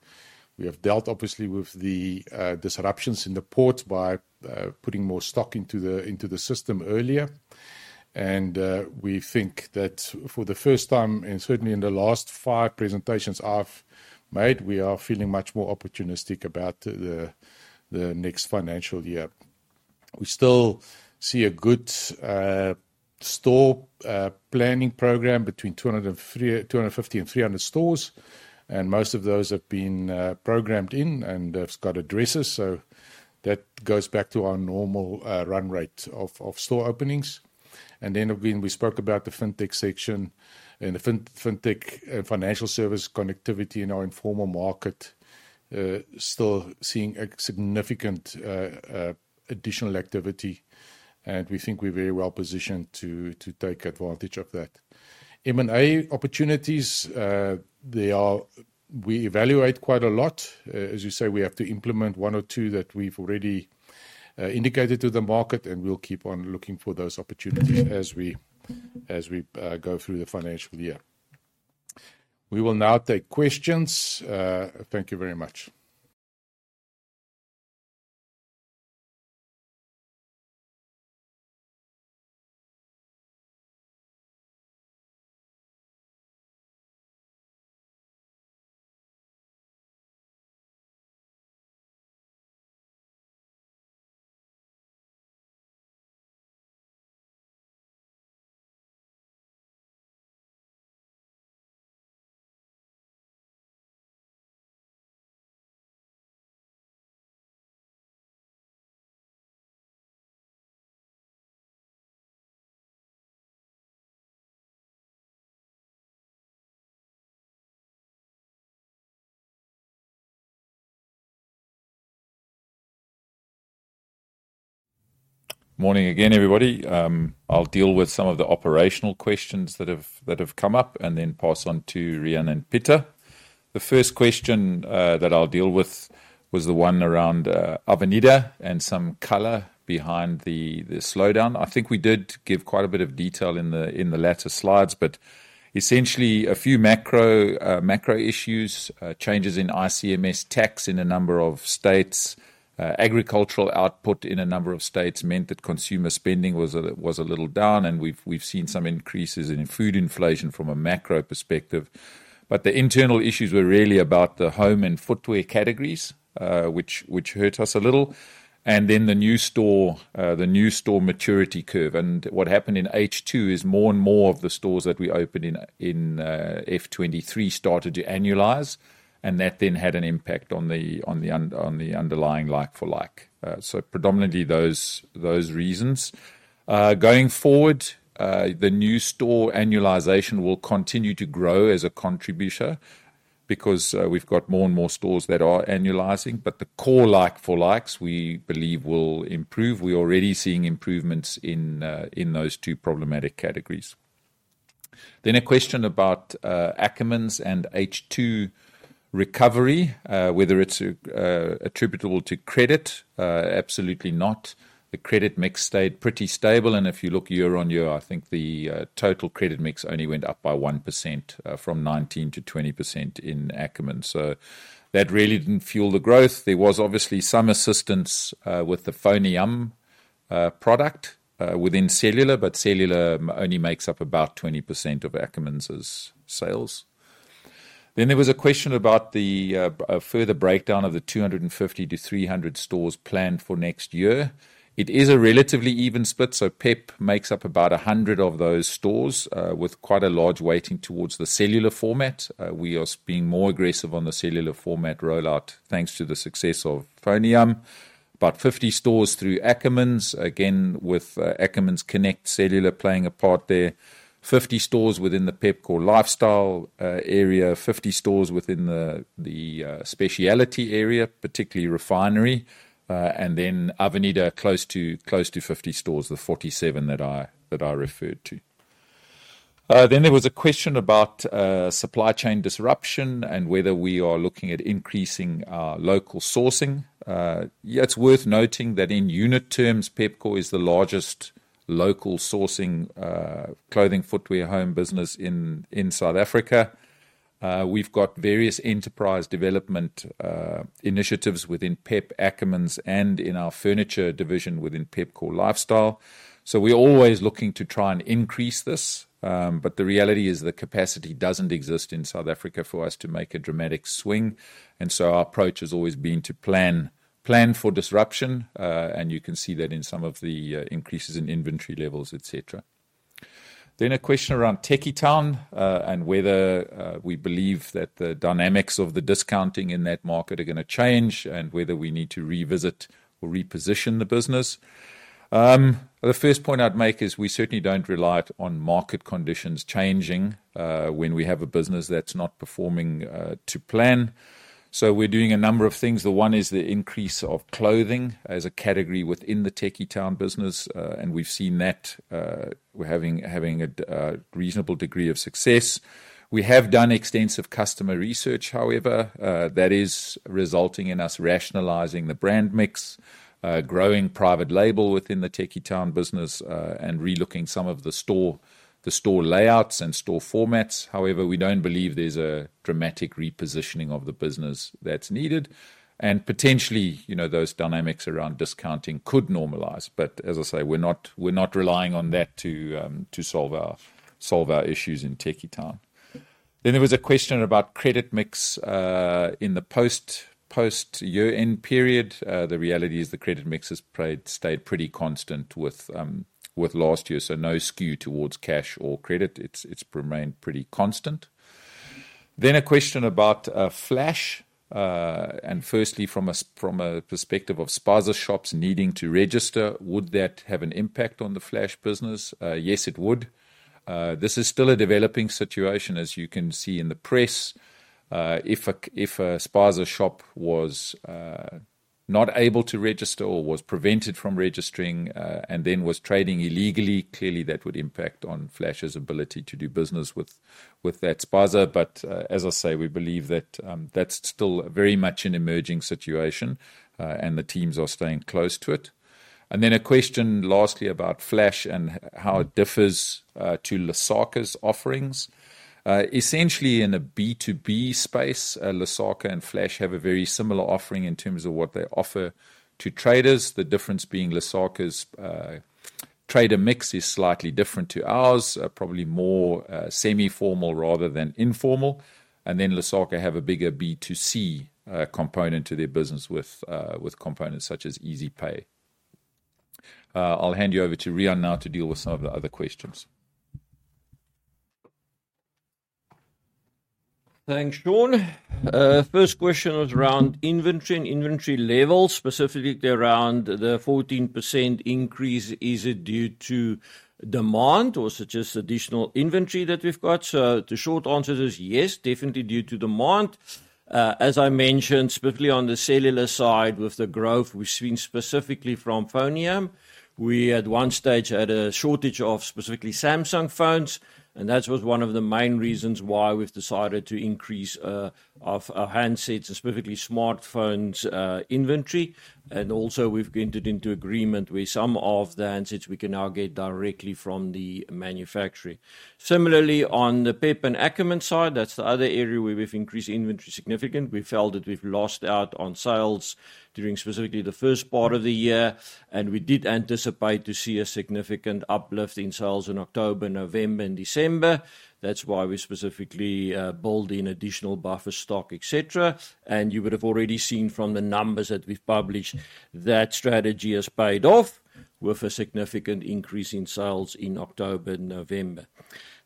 We have dealt, obviously, with the disruptions in the ports by putting more stock into the system earlier. We think that for the first time, and certainly in the last five presentations I've made, we are feeling much more opportunistic about the next financial year. We still see a good store planning program between 250 and 300 stores. Most of those have been programmed in and have got addresses. That goes back to our normal run rate of store openings. We spoke about the fintech section and the fintech and financial service connectivity in our informal market, still seeing significant additional activity. We think we're very well positioned to take advantage of that. M&A opportunities, we evaluate quite a lot. As you say, we have to implement one or two that we've already indicated to the market, and we'll keep on looking for those opportunities as we go through the financial year. We will now take questions. Thank you very much. Morning again, everybody. I'll deal with some of the operational questions that have come up and then pass on to Riaan and Pieter. The first question that I'll deal with was the one around Avenida and some color behind the slowdown. I think we did give quite a bit of detail in the latter slides, but essentially a few macro issues, changes in ICMS tax in a number of states, agricultural output in a number of states meant that consumer spending was a little down, and we've seen some increases in food inflation from a macro perspective. But the internal issues were really about the home and footwear categories, which hurt us a little. Then the new store maturity curve. What happened in H2 is more and more of the stores that we opened in F23 started to annualize. That then had an impact on the underlying like-for-like. So predominantly those reasons. Going forward, the new store annualization will continue to grow as a contributor because we've got more and more stores that are annualizing. But the core like-for-likes, we believe, will improve. We're already seeing improvements in those two problematic categories. Then a question about Ackermans and H2 recovery, whether it's attributable to credit, absolutely not. The credit mix stayed pretty stable. And if you look year on year, I think the total credit mix only went up by 1% from 19%-20% in Ackermans. So that really didn't fuel the growth. There was obviously some assistance with the Foneyam product within cellular, but cellular only makes up about 20% of Ackermans sales. Then there was a question about the further breakdown of the 250-300 stores planned for next year. It is a relatively even split. So Pep makes up about 100 of those stores with quite a large weighting towards the cellular format. We are being more aggressive on the cellular format rollout thanks to the success of Foneyam, about 50 stores through Ackermans, again with Ackermans Connect Cellular playing a part there, 50 stores within the Pepkor Lifestyle area, 50 stores within the specialty area, particularly Refinery, and then Avenida close to 50 stores, the 47 that I referred to. Then there was a question about supply chain disruption and whether we are looking at increasing local sourcing. Yeah, it's worth noting that in unit terms, Pepkor is the largest local sourcing clothing, footwear, home business in South Africa. We've got various enterprise development initiatives within Pep, Ackermans, and in our furniture division within Pepkor Lifestyle. So we're always looking to try and increase this. But the reality is the capacity doesn't exist in South Africa for us to make a dramatic swing. And so our approach has always been to plan for disruption. And you can see that in some of the increases in inventory levels, etc. Then a question around Tekkie Town and whether we believe that the dynamics of the discounting in that market are going to change and whether we need to revisit or reposition the business. The first point I'd make is we certainly don't rely on market conditions changing when we have a business that's not performing to plan. So we're doing a number of things. The one is the increase of clothing as a category within the Tekkie Town business. And we've seen that we're having a reasonable degree of success. We have done extensive customer research, however, that is resulting in us rationalizing the brand mix, growing private label within the Tekkie Town business, and relooking some of the store layouts and store formats. However, we don't believe there's a dramatic repositioning of the business that's needed. And potentially, those dynamics around discounting could normalize. But as I say, we're not relying on that to solve our issues in Tekkie Town. Then there was a question about credit mix in the post-year-end period. The reality is the credit mix has stayed pretty constant with last year, so no skew towards cash or credit. It's remained pretty constant. Then a question about Flash. And firstly, from a perspective of spaza shops needing to register, would that have an impact on the Flash business? Yes, it would. This is still a developing situation, as you can see in the press. If a spaza shop was not able to register or was prevented from registering and then was trading illegally, clearly that would impact on Flash's ability to do business with that spaza. But as I say, we believe that that's still very much an emerging situation, and the teams are staying close to it, and then a question lastly about Flash and how it differs to Lesaka's offerings. Essentially, in a B2B space, Lesaka and Flash have a very similar offering in terms of what they offer to traders. The difference being Lesaka's trader mix is slightly different to ours, probably more semi-formal rather than informal, and then Lesaka have a bigger B2C component to their business with components such as EasyPay. I'll hand you over to Riaan now to deal with some of the other questions. Thanks, Sean. First question was around inventory and inventory levels, specifically around the 14% increase. Is it due to demand or such as additional inventory that we've got? So the short answer is yes, definitely due to demand. As I mentioned, specifically on the cellular side with the growth, we've seen specifically from Foneyam. We at one stage had a shortage of specifically Samsung phones. And that was one of the main reasons why we've decided to increase our handsets and specifically smartphones inventory. And also, we've entered into agreement where some of the handsets we can now get directly from the manufacturer. Similarly, on the Pep and Ackermans side, that's the other area where we've increased inventory significantly. We felt that we've lost out on sales during specifically the first part of the year. And we did anticipate to see a significant uplift in sales in October, November, and December. That's why we specifically build in additional buffer stock, etc., and you would have already seen from the numbers that we've published that strategy has paid off with a significant increase in sales in October and November.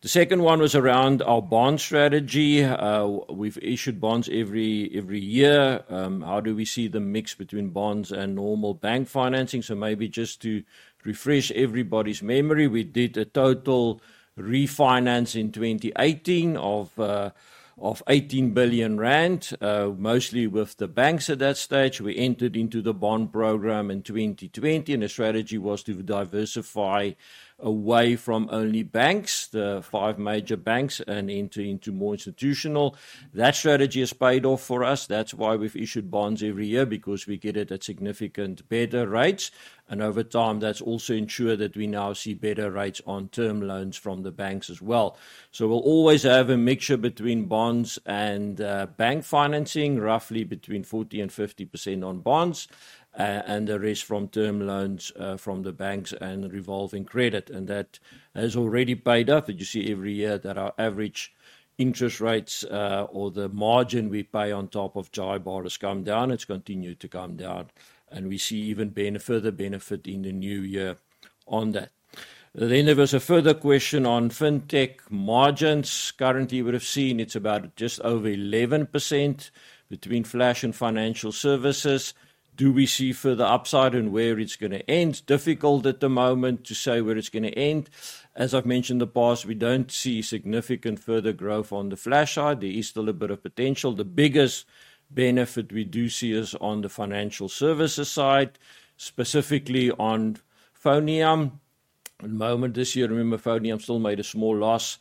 The second one was around our bond strategy. We've issued bonds every year. How do we see the mix between bonds and normal bank financing? So maybe just to refresh everybody's memory, we did a total refinance in 2018 of 18 billion rand, mostly with the banks at that stage. We entered into the bond program in 2020, and the strategy was to diversify away from only banks, the five major banks, and enter into more institutional. That strategy has paid off for us. That's why we've issued bonds every year, because we get it at significant better rates. And over time, that's also ensured that we now see better rates on term loans from the banks as well. So we'll always have a mixture between bonds and bank financing, roughly between 40%-50% on bonds, and the rest from term loans from the banks and revolving credit. And that has already paid up. You see every year that our average interest rates or the margin we pay on top of JIBAR has come down. It's continued to come down. And we see even further benefit in the new year on that. Then there was a further question on fintech margins. Currently, we've seen it's about just over 11% between Flash and financial services. Do we see further upside and where it's going to end? Difficult at the moment to say where it's going to end. As I've mentioned in the past, we don't see significant further growth on the Flash side. There is still a bit of potential. The biggest benefit we do see is on the financial services side, specifically on Foneyam. At the moment this year, remember, Foneyam still made a small loss.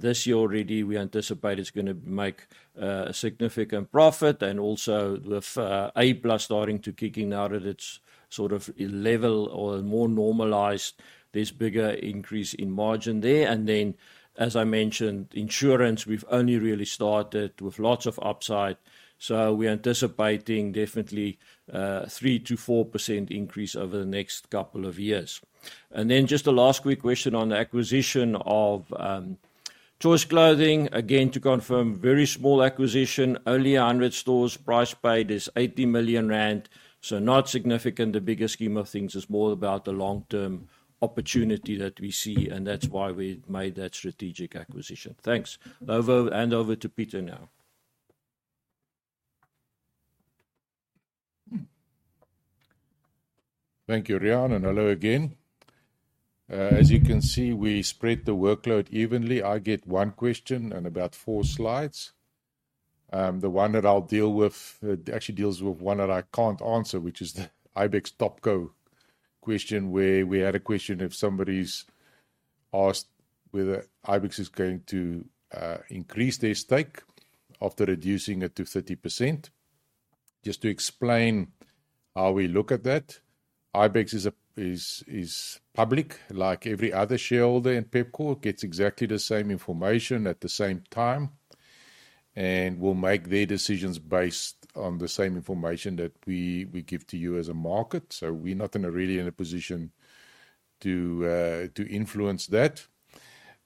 This year already, we anticipate it's going to make a significant profit, and also, with A+ starting to kick in now that it's sort of level or more normalized, there's bigger increase in margin there. And then, as I mentioned, insurance, we've only really started with lots of upside, so we're anticipating definitely 3%-4% increase over the next couple of years. And then just a last quick question on the acquisition of Choice Clothing. Again, to confirm, very small acquisition, only 100 stores. Price paid is 80 million rand. So not significant. The bigger scheme of things is more about the long-term opportunity that we see, and that's why we made that strategic acquisition. Thanks. Hand over to Pieter now. Thank you, Riaan, and hello again. As you can see, we spread the workload evenly. I get one question and about four slides. The one that I'll deal with actually deals with one that I can't answer, which is the Ibex Topco question where we had a question if somebody's asked whether Ibex is going to increase their stake after reducing it to 30%. Just to explain how we look at that, Ibex is public like every other shareholder in Pepkor. It gets exactly the same information at the same time, and they'll make their decisions based on the same information that we give to you as a market. So we're not really in a position to influence that.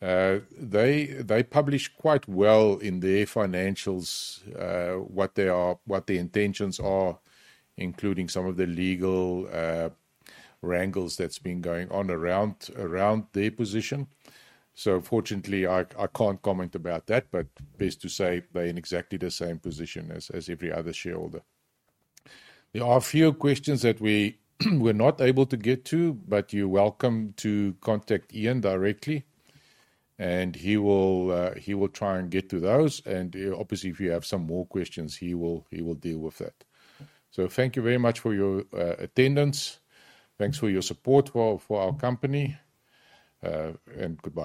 They publish quite well in their financials what their intentions are, including some of the legal wrangles that's been going on around their position, so fortunately, I can't comment about that, but best to say they're in exactly the same position as every other shareholder. There are a few questions that we were not able to get to, but you're welcome to contact Ian directly, and he will try and get to those, and obviously, if you have some more questions, he will deal with that, so thank you very much for your attendance. Thanks for your support for our company, and goodbye.